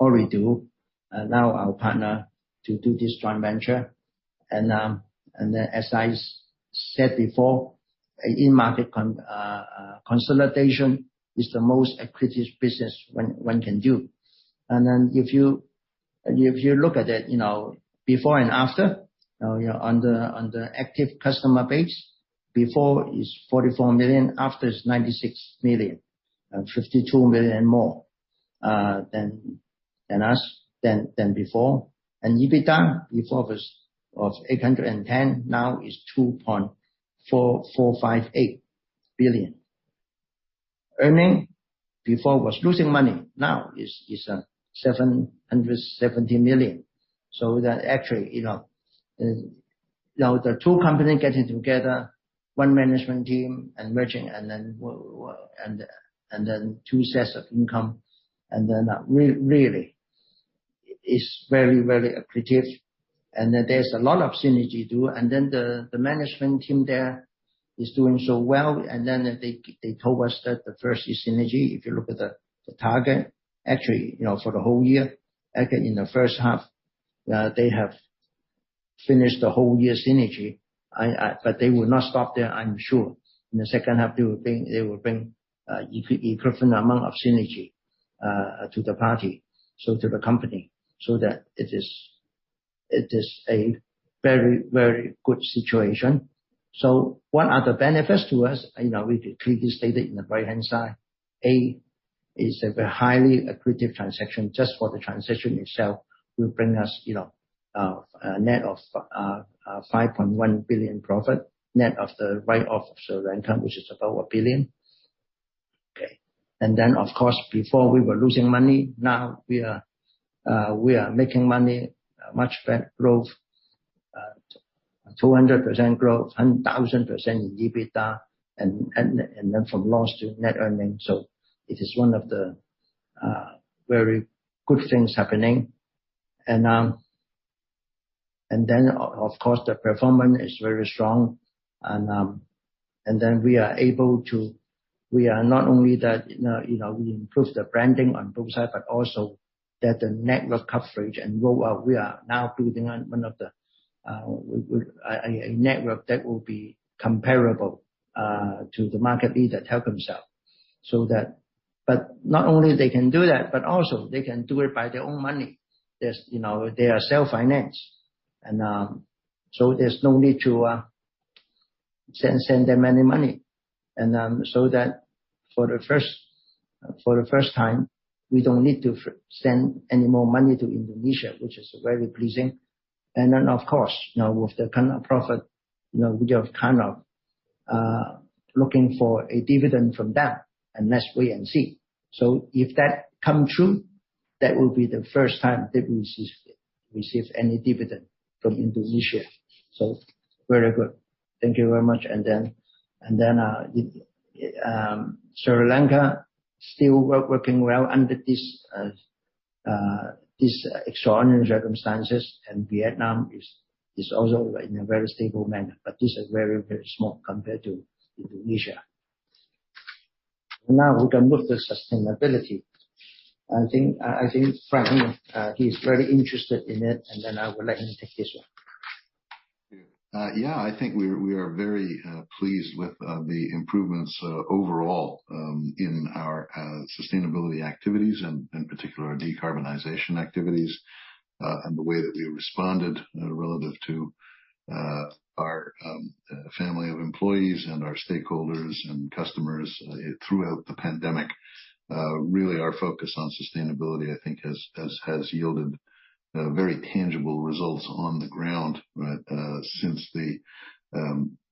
[SPEAKER 2] Ooredoo now our partner, to do this joint venture. As I said before, in-market consolidation is the most accretive business one can do. If you look at it, you know, before and after, you know, under active customer base, before is 44 million, after is 96 million. 52 million more than before. EBITDA before was 810 million, now is 2.4458 billion. EBITDA before was losing money, now is 770 million. That actually, you know, now the two companies getting together, one management team and merging and then two sets of income. Really is very, very accretive. There's a lot of synergy too. The management team there is doing so well they told us that the first is synergy if you look at the target, actually, you know, for the whole year, actually in the first half, they have finished the whole year synergy. They will not stop there, I'm sure. In the second half, they will bring equivalent amount of synergy to the party, so to the company, so that it is a very good situation. What are the benefits to us? You know, we clearly stated in the right-hand side. A is a very highly accretive transaction just for the transaction itself will bring us, you know, a net of 5.1 billion profit, net of the write-off of Sri Lanka, which is about 1 billion. Okay. Then, of course, before we were losing money, now we are making money, much better growth, 200% growth, and 1,000% in EBITDA and then from loss to net earnings. It is one of the very good things happening. Of course, the performance is very strong. We are not only that, you know, we improve the branding on both sides, but also that the network coverage and rollout, we are now building a world-class network that will be comparable to the market leader, Telkomsel. Not only they can do that, but also they can do it by their own money. There is, you know, they are self-financed. There is no need to send them any money. For the first time, we don't need to send any more money to Indonesia, which is very pleasing. Of course, you know, with the kind of profit, you know, we are kind of looking for a dividend from them, and let's wait and see. If that come true, that will be the first time that we receive any dividend from Indonesia. Very good. Thank you very much. Sri Lanka still working well under this extraordinary circumstances. Vietnam is also in a very stable manner this is very small compared to Indonesia. Now we can look at sustainability. I think Frank, he's very interested in it, and then I will let him take his turn.
[SPEAKER 3] Thank you. I think we are very pleased with the improvements overall in our sustainability activities and particular decarbonization activities. The way that we responded relative to our family of employees and our stakeholders and customers throughout the pandemic. Really our focus on sustainability, I think has yielded very tangible results on the ground since the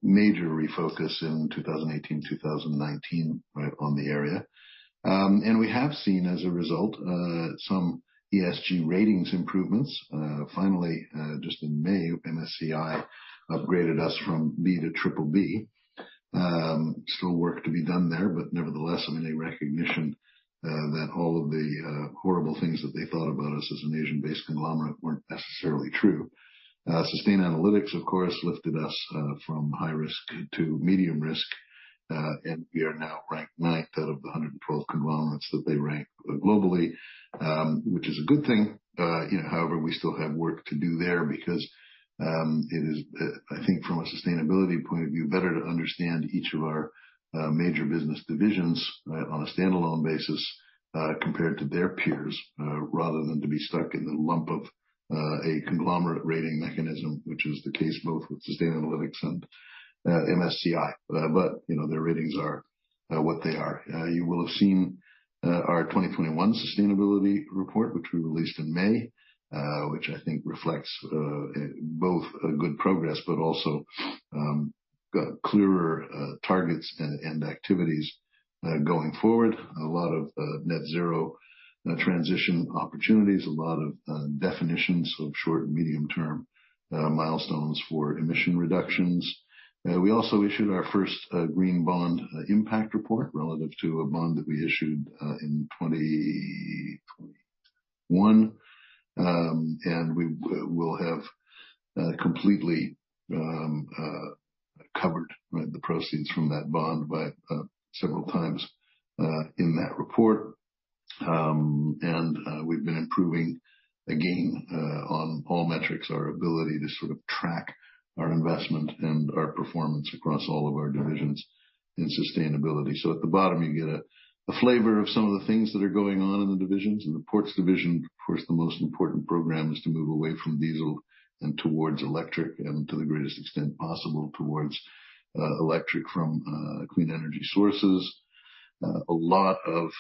[SPEAKER 3] major refocus in 2018, 2019, on the area. We have seen as a result some ESG ratings improvements. Finally, just in May, MSCI upgraded us from B to BBB. Still work to be done there, but nevertheless, I mean, a recognition that all of the horrible things that they thought about us as an Asian-based conglomerate weren't necessarily true. Sustainalytics, of course, lifted us from high risk to medium risk. We are now ranked ninth out of the 112 conglomerates that they rank globally, which is a good thing. You know, however, we still have work to do there because it is, I think from a sustainability point of view, better to understand each of our major business divisions, right, on a standalone basis, compared to their peers, rather than to be stuck in the lump of a conglomerate rating mechanism, which is the case both with Sustainalytics and MSCI you know, their ratings are what they are and you will have seen our 2021 sustainability report, which we released in May. Which I think reflects both good progress, but also clearer targets and activities going forward. A lot of net zero transition opportunities, a lot of definitions of short- and medium-term milestones for emission reductions. We also issued our first green bond impact report relative to a bond that we issued in 2021. We will have completely covered the proceeds from that bond by several times in that report. We've been improving again on all metrics, our ability to sort of track our investment and our performance across all of our divisions in sustainability at the bottom, you get a flavor of some of the things that are going on in the divisions in the Ports division, of course, the most important program is to move away from diesel and towards electric, and to the greatest extent possible, towards electric from clean energy sources. A lot of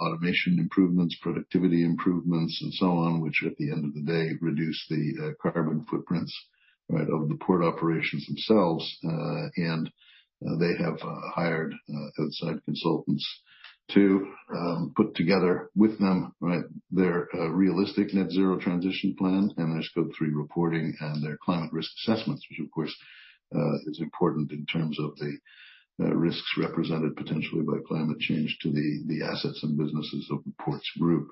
[SPEAKER 3] automation improvements, productivity improvements, and so on, which at the end of the day, reduce the carbon footprints, right, of the port operations themselves. They have hired outside consultants to put together with them, right, their realistic net zero transition plans and their Scope 3 reporting and their climate risk assessments, which of course, is important in terms of the risks represented potentially by climate change to the assets and businesses of the Ports group.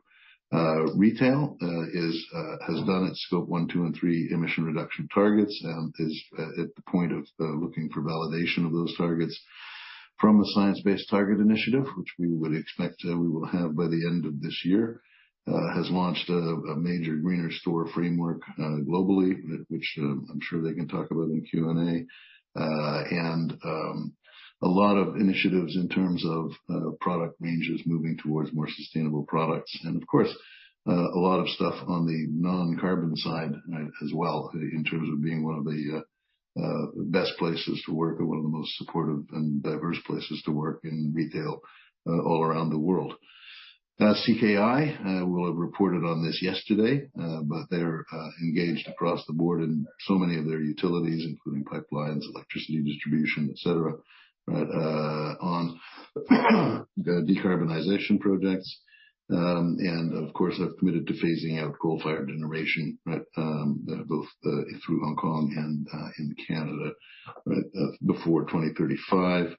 [SPEAKER 3] Retail has done its Scope 1, 2, and 3 emission reduction targets and is at the point of looking for validation of those targets from a Science Based Targets initiative, which we would expect we will have by the end of this year. Has launched a major greener store framework globally, which I'm sure they can talk about in the Q&A. A lot of initiatives in terms of product ranges moving towards more sustainable products. Of course, a lot of stuff on the non-carbon side, right, as well, in terms of being one of the best places to work or one of the most supportive and diverse places to work in retail all around the world. CKI will have reported on this yesterday, but they're engaged across the board in so many of their utilities, including pipelines, electricity distribution, et cetera, on the decarbonization projects. Of course, they've committed to phasing out coal-fired generation, both through Hong Kong and in Canada, before 2035.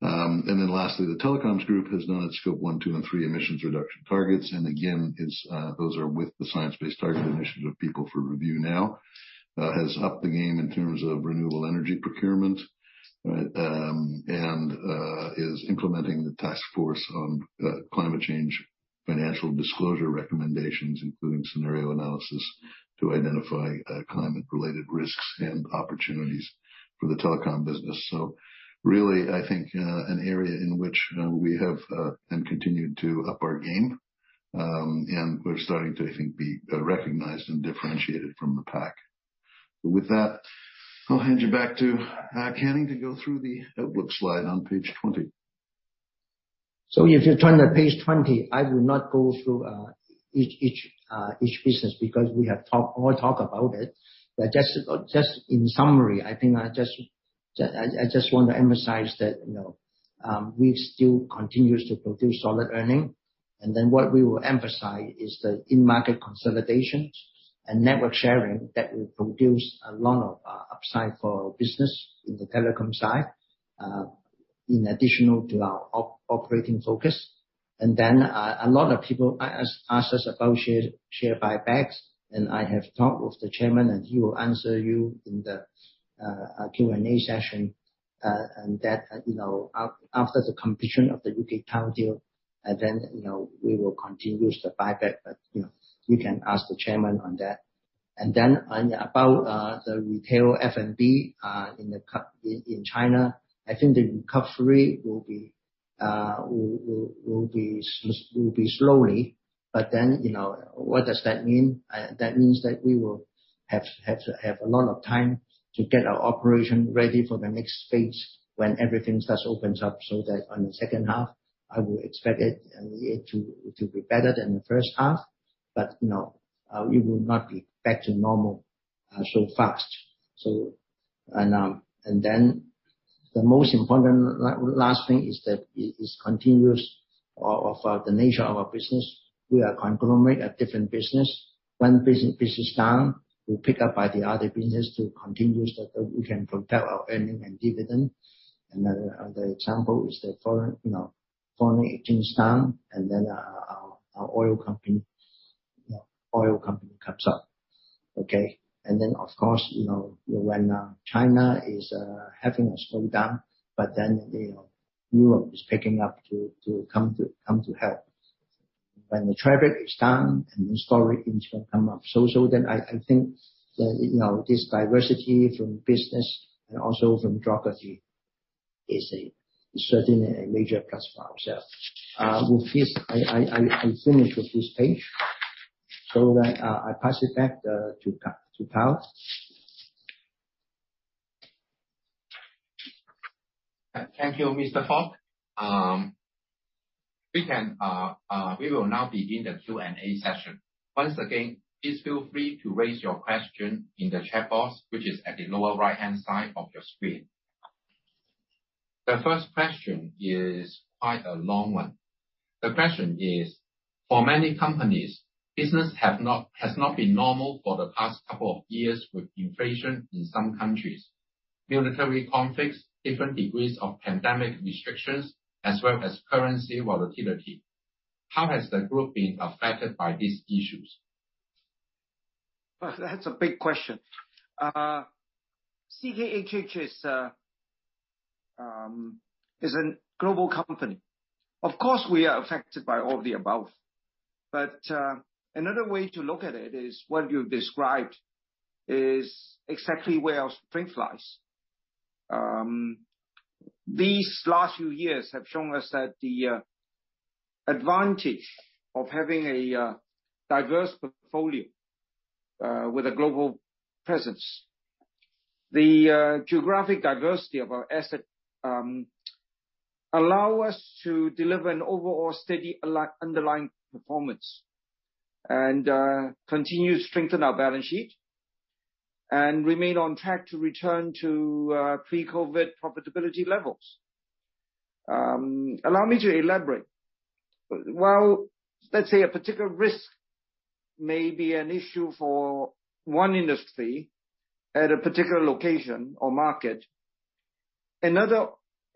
[SPEAKER 3] Lastly, the Telecoms group has done its Scope 1, 2, and 3 emissions reduction targets again, those are with the Science Based Targets initiative for review now. Has upped the game in terms of renewable energy procurement, and is implementing the Task Force on Climate-related Financial Disclosures recommendations, including scenario analysis to identify climate-related risks and opportunities for the telecom business. Really, I think, an area in which we have and continue to up our game. We're starting to, I think, be recognized and differentiated from the pack. With that, I'll hand you back to Canning to go through the outlook slide on page 20.
[SPEAKER 2] If you turn to page 20, I will not go through each business because we have all talked about it. Just in summary, I think I just want to emphasize that, you know, we still continues to produce solid earning. What we will emphasize is the in-market consolidation and network sharing that will produce a lot of upside for our business in the telecom side, in addition to our operating focus. A lot of people ask us about share buybacks, and I have talked with the Chairman, and he will answer you in the Q&A session, and that, you know, after the completion of the UK Tower deal, then, you know, we will continue the buyback you can ask the Chairman on that. On about the retail F&B in China, I think the recovery will be slowly. You know, what does that mean? That means that we will have a lot of time to get our operation ready for the next phase when everything starts opens up so that on the second half, I will expect it to be better than the first half. You know, we will not be back to normal so fast. The most important last thing is that it is continuous of the nature of our business. We are conglomerate of different business. One business down, we pick up by the other business to continue so that we can propel our earning and dividend. Another example is the foreign exchange down and then our oil company comes up. Okay? Of course, when China is having a slowdown, but then Europe is picking up to come to help. When the traffic is down and the store is gonna come up so then i think that this diversity from business and also from geography is certainly a major plus for ourselves. With this I'm finished with this page, so then I pass it back to Kyle.
[SPEAKER 1] Thank you, Mr. Fok. We will now begin the Q&A session. Once again, please feel free to raise your question in the chat box, which is at the lower right-hand side of your screen. The first question is quite a long one. The question is, for many companies, business has not been normal for the past couple of years with inflation in some countries, military conflicts, different degrees of pandemic restrictions, as well as currency volatility. How has the group been affected by these issues?
[SPEAKER 5] Well, that's a big question. CKHH is a global company. Of course, we are affected by all of the above. Another way to look at it is, what you described is exactly where our strength lies. These last few years have shown us that the advantage of having a diverse portfolio with a global presence. The geographic diversity of our asset allow us to deliver an overall steady underlying performance and continue to strengthen our balance sheet and remain on track to return to pre-COVID profitability levels. Allow me to elaborate. While, let's say, a particular risk may be an issue for one industry at a particular location or market, another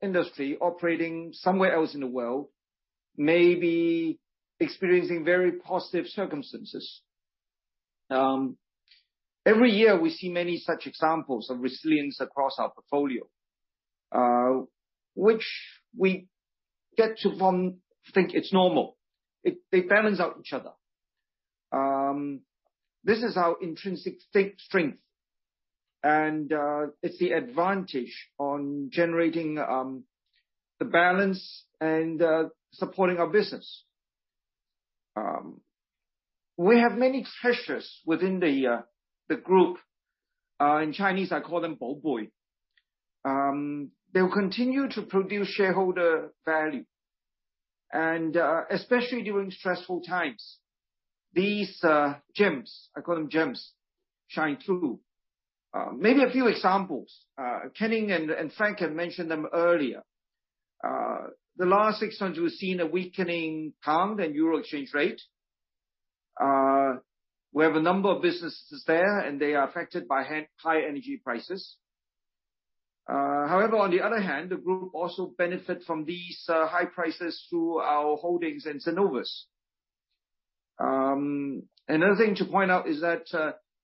[SPEAKER 5] industry operating somewhere else in the world may be experiencing very positive circumstances. Every year we see many such examples of resilience across our portfolio, which we think it's normal. They balance out each other. This is our intrinsic strength, and it's the advantage on generating the balance and supporting our business. We have many treasures within the group. In Chinese, I call them baobei. They'll continue to produce shareholder value and especially during stressful times. These gems, I call them gems, shine through. Maybe a few examples. Canning and Frank have mentioned them earlier. The last six months, we've seen a weakening pound and euro exchange rate. We have a number of businesses there, and they are affected by high energy prices. However, on the other hand, the group also benefit from these high prices through our holdings in Cenovus. Another thing to point out is that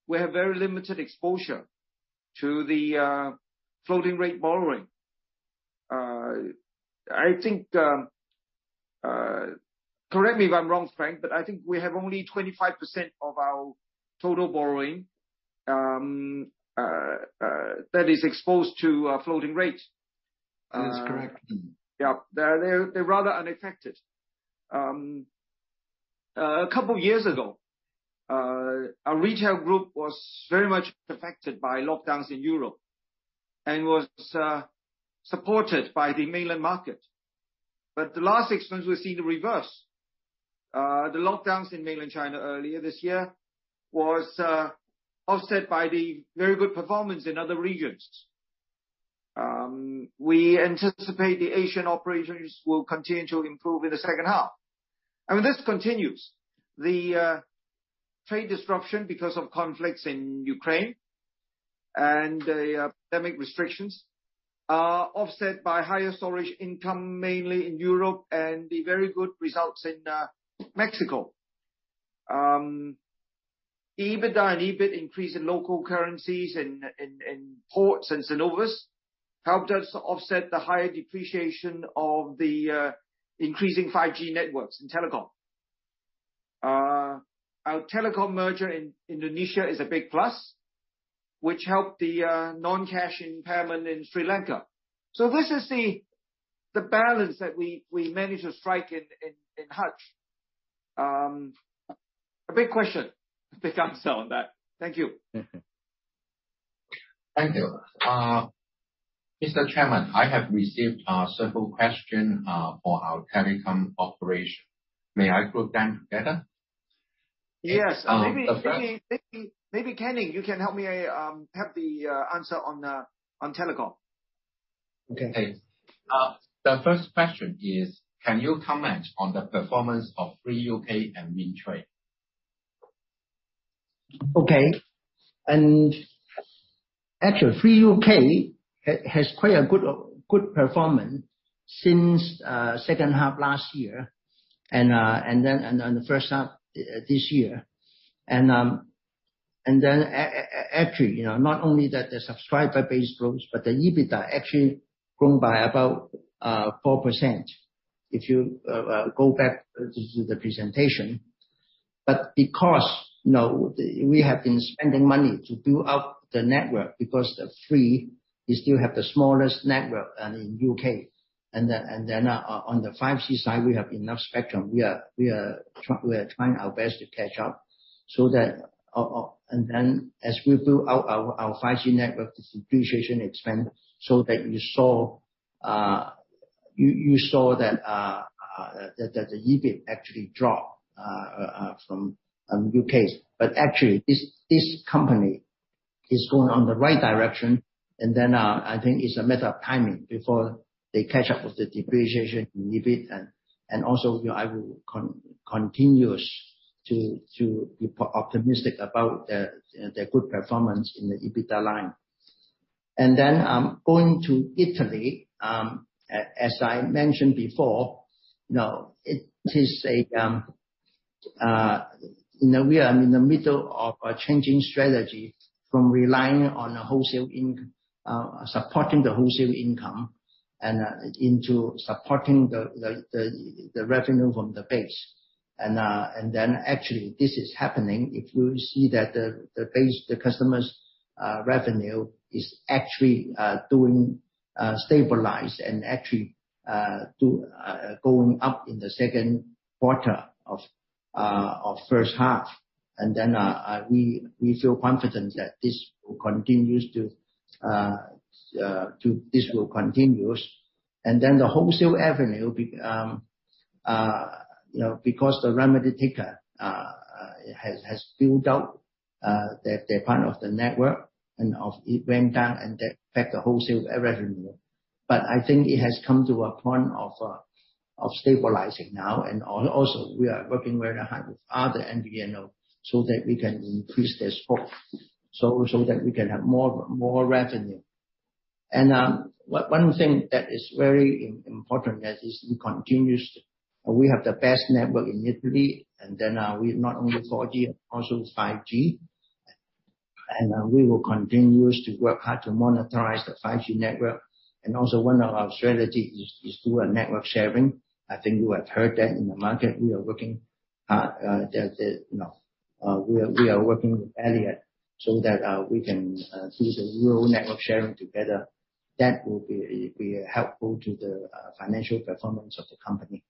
[SPEAKER 5] we have very limited exposure to the floating rate borrowing. I think, correct me if I'm wrong, Frank, but I think we have only 25% of our total borrowing that is exposed to a floating rate.
[SPEAKER 3] That is correct.
[SPEAKER 5] Yeah. They're rather unaffected. A couple years ago, our retail group was very much affected by lockdowns in Europe and was supported by the mainland market. The last six months, we've seen the reverse. The lockdowns in mainland China earlier this year was offset by the very good performance in other regions. We anticipate the Asian operations will continue to improve in the second half. I mean, this continues. The trade disruption because of conflicts in Ukraine and the pandemic restrictions are offset by higher storage income, mainly in Europe, and the very good results in Mexico. EBITDA and EBITDA increase in local currencies in ports and Cenovus helped us offset the higher depreciation of the increasing 5G networks in telecom. Our telecom merger in Indonesia is a big plus, which helped the non-cash impairment in Sri Lanka. This is the balance that we managed to strike in Hutch. A big question to come, sir, on that. Thank you.
[SPEAKER 1] Thank you. Mr. Chairman, I have received several questions for our telecom operation. May I group them together?
[SPEAKER 5] Yes.
[SPEAKER 1] Um, the first-
[SPEAKER 5] Maybe Canning Fok, you can help me have the answer on telecom.
[SPEAKER 2] Okay. The first question is, can you comment on the performance of Three UK and Wind Tre? Okay. Actually, Three UK has quite a good performance since second half last year and then the first half this year. Actually, you know, not only that the subscriber base grows, but the EBITDA actually grown by about 4%, if you go back to the presentation. Because, you know, we have been spending money to build out the network because the Three, they still have the smallest network in UK. On the 5G side, we have enough spectrum we are trying our best to catch Aup so that... As we build out our 5G network depreciation expense, so that you saw that the EBITDA actually dropped from UK. Actually this company is going in the right direction. I think it's a matter of timing before they catch up with the depreciation in EBITDA. Also, you know, I will continue to be optimistic about their good performance in the EBITDA line. Going to Italy, as I mentioned before, you know, it is a, you know, we are in the middle of a changing strategy from relying on wholesale income to supporting the revenue from the base. Then actually this is happening if you see that the base customers' revenue is actually stabilizing and actually going up in the Q2 of the first half. We feel confident that this will continue to. This will continue. Then the wholesale revenue, you know, because the remedy taker has built out their part of the network and when it went down and that affected the wholesale revenue. I think it has come to a point of stabilizing now also, we are working very hard with other MVNO so that we can increase their scope, so that we can have more revenue. One thing that is very important is we continue to we have the best network in Italy, and then we not only 4G, also 5G. We will continue to work hard to monetize the 5G network. Also one of our strategy is through a network sharing. I think you have heard that in the market we are working hard, we are working with Iliad so that we can do the rural network sharing together. That will be helpful to the financial performance of the company.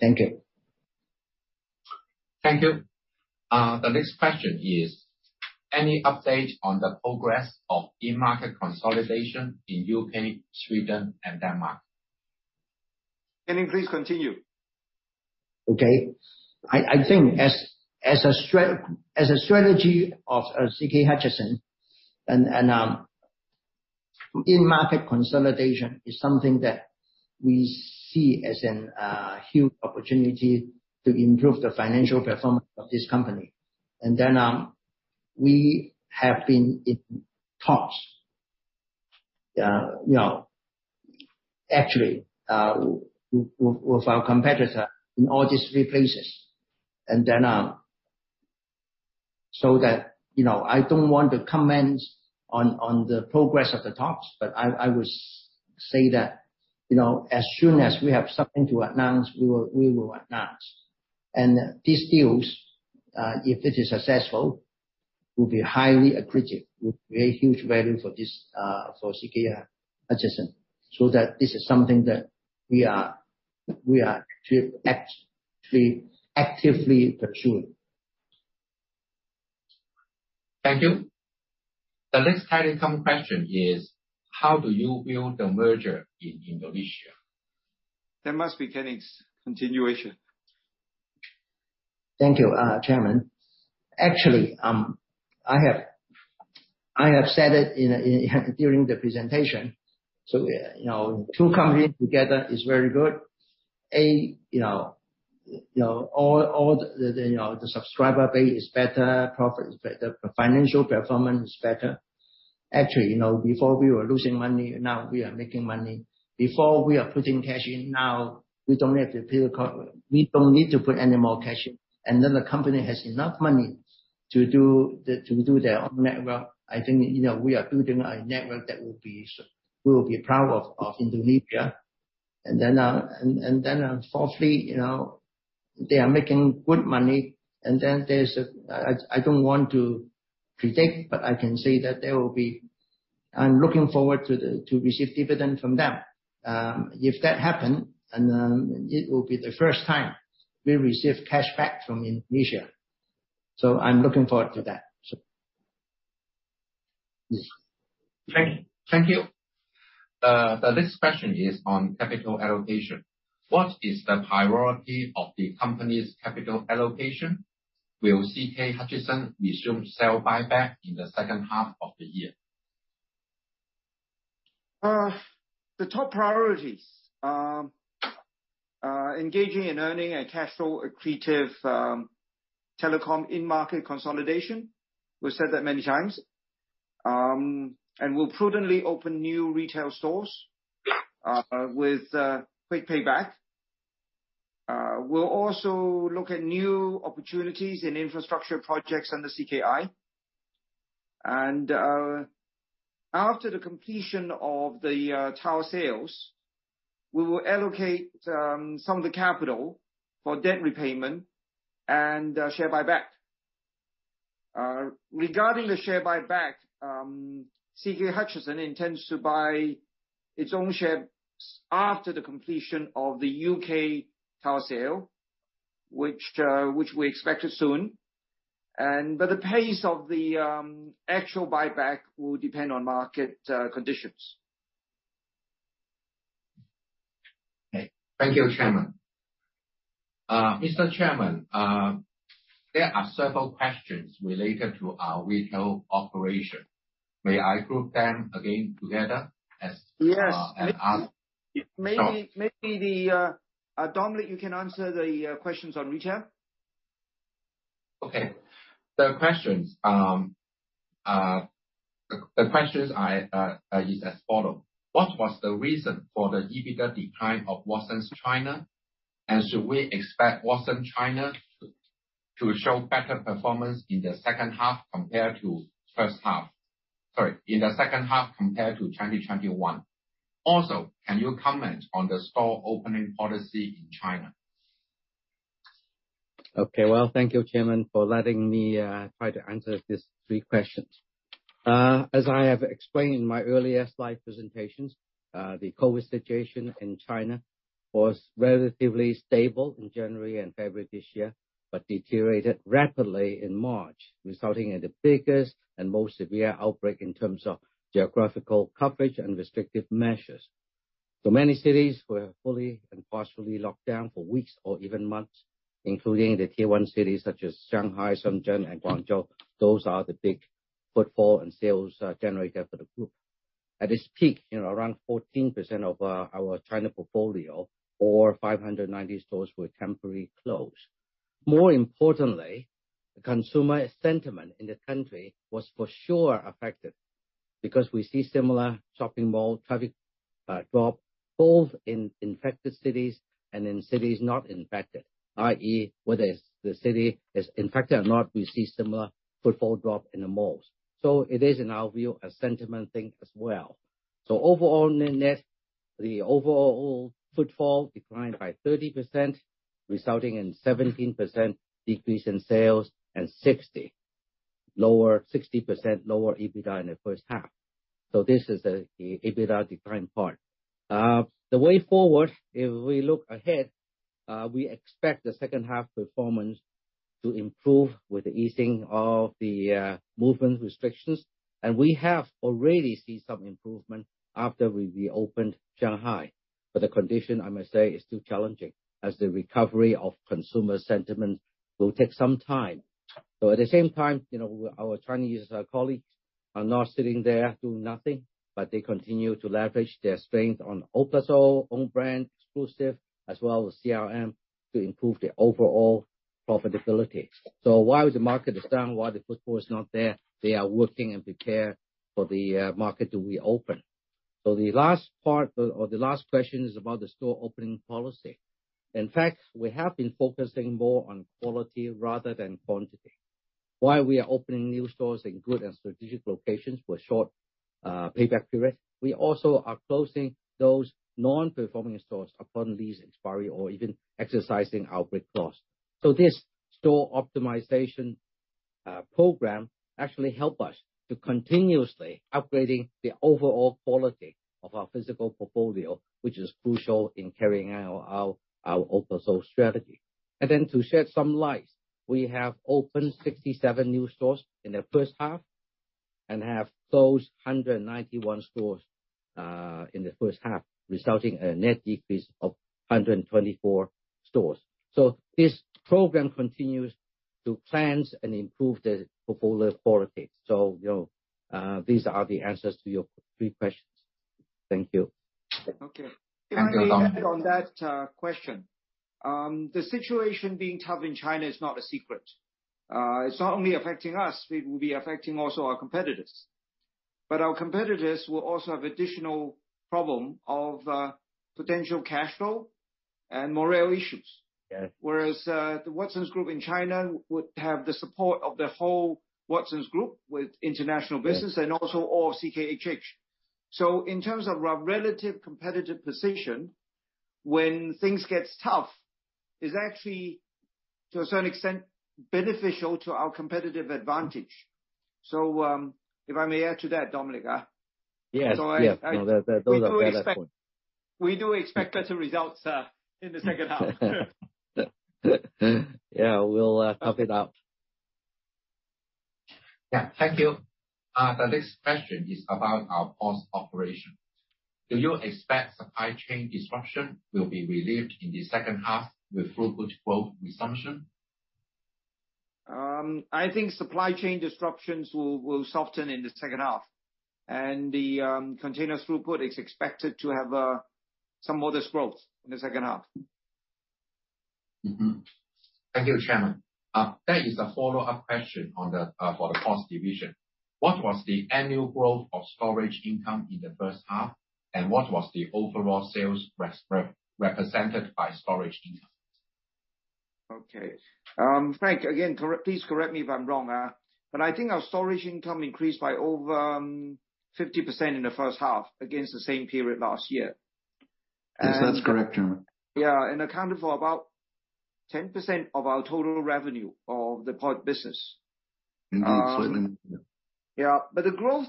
[SPEAKER 2] Thank you.
[SPEAKER 1] Thank you. The next question is, any update on the progress of Three market consolidation in U.K., Sweden and Denmark?
[SPEAKER 5] Canning, please continue.
[SPEAKER 2] I think as a strategy of CK Hutchison and in market consolidation is something that we see as a huge opportunity to improve the financial performance of this company. We have been in talks, you know, actually, with our competitor in all these three places. You know, I don't want to comment on the progress of the talks, but I would say that, you know, as soon as we have something to announce, we will announce. These deals, if it is successful, will be highly accretive, will create huge value for this, for CK Hutchison. This is something that we are actually actively pursuing.
[SPEAKER 1] Thank you. The next telecom question is, how do you view the merger in Indonesia?
[SPEAKER 5] That must be Canning's continuation.
[SPEAKER 2] Thank you, chairman. Actually, I have said it during the presentation. You know, two companies together is very good. You know, all the subscriber base is better, profit is better, the financial performance is better. Actually, you know, before we were losing money, now we are making money. Before we are putting cash in, now we don't need to put any more cash in. The company has enough money to do their own network. I think, you know, we are building a network that will be so. We will be proud of Indonesia. Fourthly, you know, they are making good money. And then there's a., i don't want to predict, but I can say that there will be. I'm looking forward to receive dividend from them. If that happen, it will be the first time we receive cash back from Indonesia. I'm looking forward to that, so. Yes.
[SPEAKER 1] Thank you. The next question is on capital allocation. What is the priority of the company's capital allocation? Will CK Hutchison resume share buyback in the second half of the year?
[SPEAKER 5] The top priorities, engaging in earning a cash flow accretive telecom in-market consolidation. We've said that many times. We'll prudently open new retail stores with quick payback. We'll also look at new opportunities in infrastructure projects under CKI. After the completion of the tower sales, we will allocate some of the capital for debt repayment and share buyback. Regarding the share buyback, CK Hutchison intends to buy its own shares after the completion of the UK tower sale, which we expect it soon. The pace of the actual buyback will depend on market conditions.
[SPEAKER 1] Okay. Thank you, Chairman. Mr. Chairman, there are several questions related to our retail operation. May I group them again together as
[SPEAKER 5] Yes.
[SPEAKER 1] Ask?
[SPEAKER 5] Maybe Dominic, you can answer the questions on retail.
[SPEAKER 1] Okay. The questions are as follow. What was the reason for the EBITDA decline of Watsons China? And should we expect Watson China to show better performance in the second half compared to 2021. Also, can you comment on the store opening policy in China?
[SPEAKER 6] Well, thank you, chairman, for letting me try to answer these three questions. As I have explained in my earlier slide presentations, the COVID situation in China was relatively stable in January and February this year, but deteriorated rapidly in March, resulting in the biggest and most severe outbreak in terms of geographical coverage and restrictive measures.
[SPEAKER 4] Many cities were fully and partially locked down for weeks or even months, including the Tier One cities such as Shanghai, Shenzhen, and Guangzhou. Those are the big footfall and sales generator for the group. At its peak, you know, around 14% of our China portfolio or 590 stores were temporarily closed. More importantly, the consumer sentiment in the country was for sure affected because we see similar shopping mall traffic drop both in infected cities and in cities not infected, i.e., whether it's the city is infected or not, we see similar footfall drop in the malls. It is, in our view, a sentiment thing as well. Overall net, the overall footfall declined by 30%, resulting in 17% decrease in sales and 60% lower EBITDA in the first half. This is the EBITDA decline part. The way forward, if we look ahead, we expect the second half performance to improve with the easing of the movement restrictions. We have already seen some improvement after we reopened Shanghai. The condition, I must say, is still challenging, as the recovery of consumer sentiment will take some time. At the same time, you know, our Chinese, our colleagues are not sitting there doing nothing, but they continue to leverage their strength on OPASO, own brand exclusive, as well as CRM to improve their overall profitability. While the market is down, while the footfall is not there, they are working and prepare for the market to reopen. The last part or the last question is about the store opening policy. In fact, we have been focusing more on quality rather than quantity. While we are opening new stores in good and strategic locations for short payback period, we also are closing those non-performing stores upon lease expiry or even exercising our break clause. This store optimization program actually help us to continuously upgrading the overall quality of our physical portfolio, which is crucial in carrying out our OPASO strategy. To shed some light, we have opened 67 new stores in the first half and have closed 191 stores in the first half, resulting a net decrease of 124 stores. This program continues to cleanse and improve the portfolio quality. You know, these are the answers to your three questions. Thank you.
[SPEAKER 1] Okay. Thank you, Dominic Lai.
[SPEAKER 5] Can I add on that question? The situation being tough in China is not a secret. It's not only affecting us. It will be affecting also our competitors. Our competitors will also have additional problem of potential cash flow and morale issues.
[SPEAKER 4] Yeah.
[SPEAKER 5] Whereas, the A.S. Watson Group in China would have the support of the whole A.S. Watson Group with international business- also all CKHH. In terms of our relative competitive position, when things get tough, is actually, to a certain extent, beneficial to our competitive advantage. If I may add to that, Dominic.
[SPEAKER 4] Yes. Yeah. No, that, those are valid points.
[SPEAKER 5] We do expect better results in the second half.
[SPEAKER 4] Yeah, we'll tough it out.
[SPEAKER 1] Yeah. Thank you. The next question is about our port's operation. Do you expect supply chain disruption will be relieved in the second half with throughput growth resumption?
[SPEAKER 5] I think supply chain disruptions will soften in the second half. The continuous throughput is expected to have some modest growth in the second half.
[SPEAKER 1] Thank you, Chairman. That is a follow-up question for the port division. What was the annual growth of storage income in the first half? What was the overall sales represented by storage income?
[SPEAKER 5] Okay. Frank, again, please correct me if I'm wrong, but I think our storage income increased by over 50% in the first half against the same period last year.
[SPEAKER 3] Yes, that's correct, Chairman.
[SPEAKER 5] Yeah, accounted for about 10% of our total revenue of the port business.
[SPEAKER 3] Absolutely.
[SPEAKER 4] The growth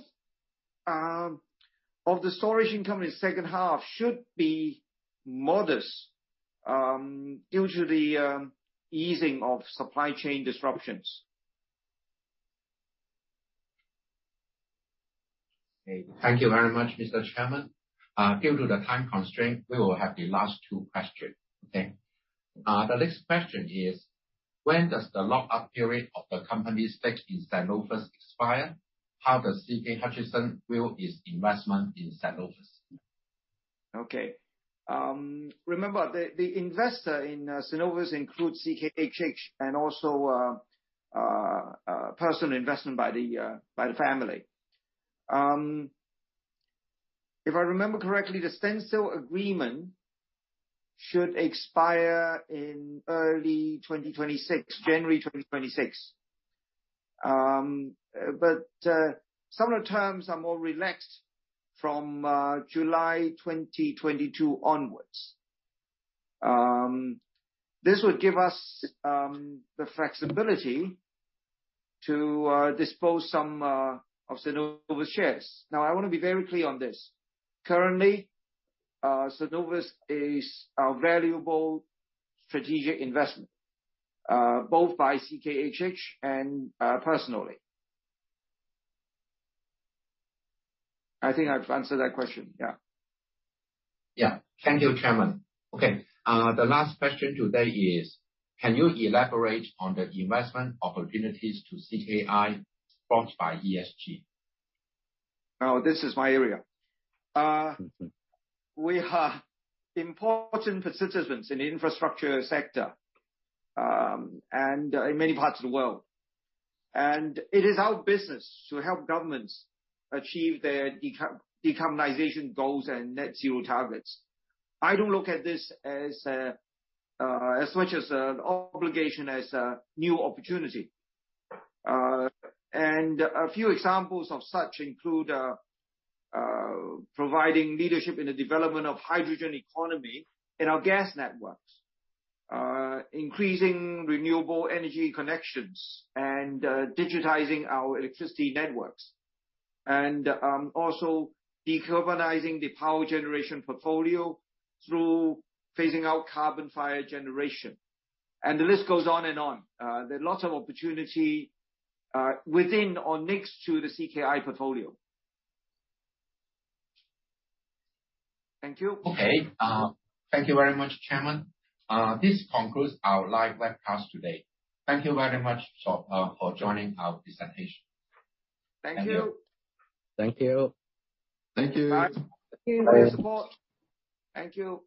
[SPEAKER 4] of the storage income in the second half should be modest, due to the easing of supply chain disruptions.
[SPEAKER 1] Okay. Thank you very much, Mr. Chairman. Due to the time constraint, we will have the last two question. Okay? The next question is, when does the lock-up period of the company's stake in Zalando expire? How does CK Hutchison view its investment in Zalando?
[SPEAKER 5] Okay. Remember the investor in Cenovus includes CKHH and also personal investment by the family. If I remember correctly, the standstill agreement should expire in early 2026. January 2026. Some of the terms are more relaxed from July 2022 onwards. This would give us the flexibility to dispose some of Cenovus shares now, i wanna be very clear on this. Currently, Cenovus is a valuable strategic investment both by CKHH and personally. I think I've answered that question. Yeah.
[SPEAKER 1] Yeah. Thank you, Chairman. Okay, the last question today is: Can you elaborate on the investment opportunities to CKI sponsored by ESG?
[SPEAKER 5] Now, this is my area. We are important participants in the infrastructure sector, and in many parts of the world. It is our business to help governments achieve their decarbonization goals and net zero targets. I don't look at this as a, as much as an obligation as a new opportunity. A few examples of such include providing leadership in the development of hydrogen economy in our gas networks. Increasing renewable energy connections and digitizing our electricity networks. Also decarbonizing the power generation portfolio through phasing out carbon-fired generation. The list goes on and on. There are lots of opportunity within or next to the CKI portfolio. Thank you.
[SPEAKER 1] Okay. Thank you very much, Chairman. This concludes our live webcast today. Thank you very much for joining our presentation.
[SPEAKER 5] Thank you.
[SPEAKER 1] Thank you.
[SPEAKER 2] Thank you.
[SPEAKER 5] Bye. Thank you for your support. Thank you.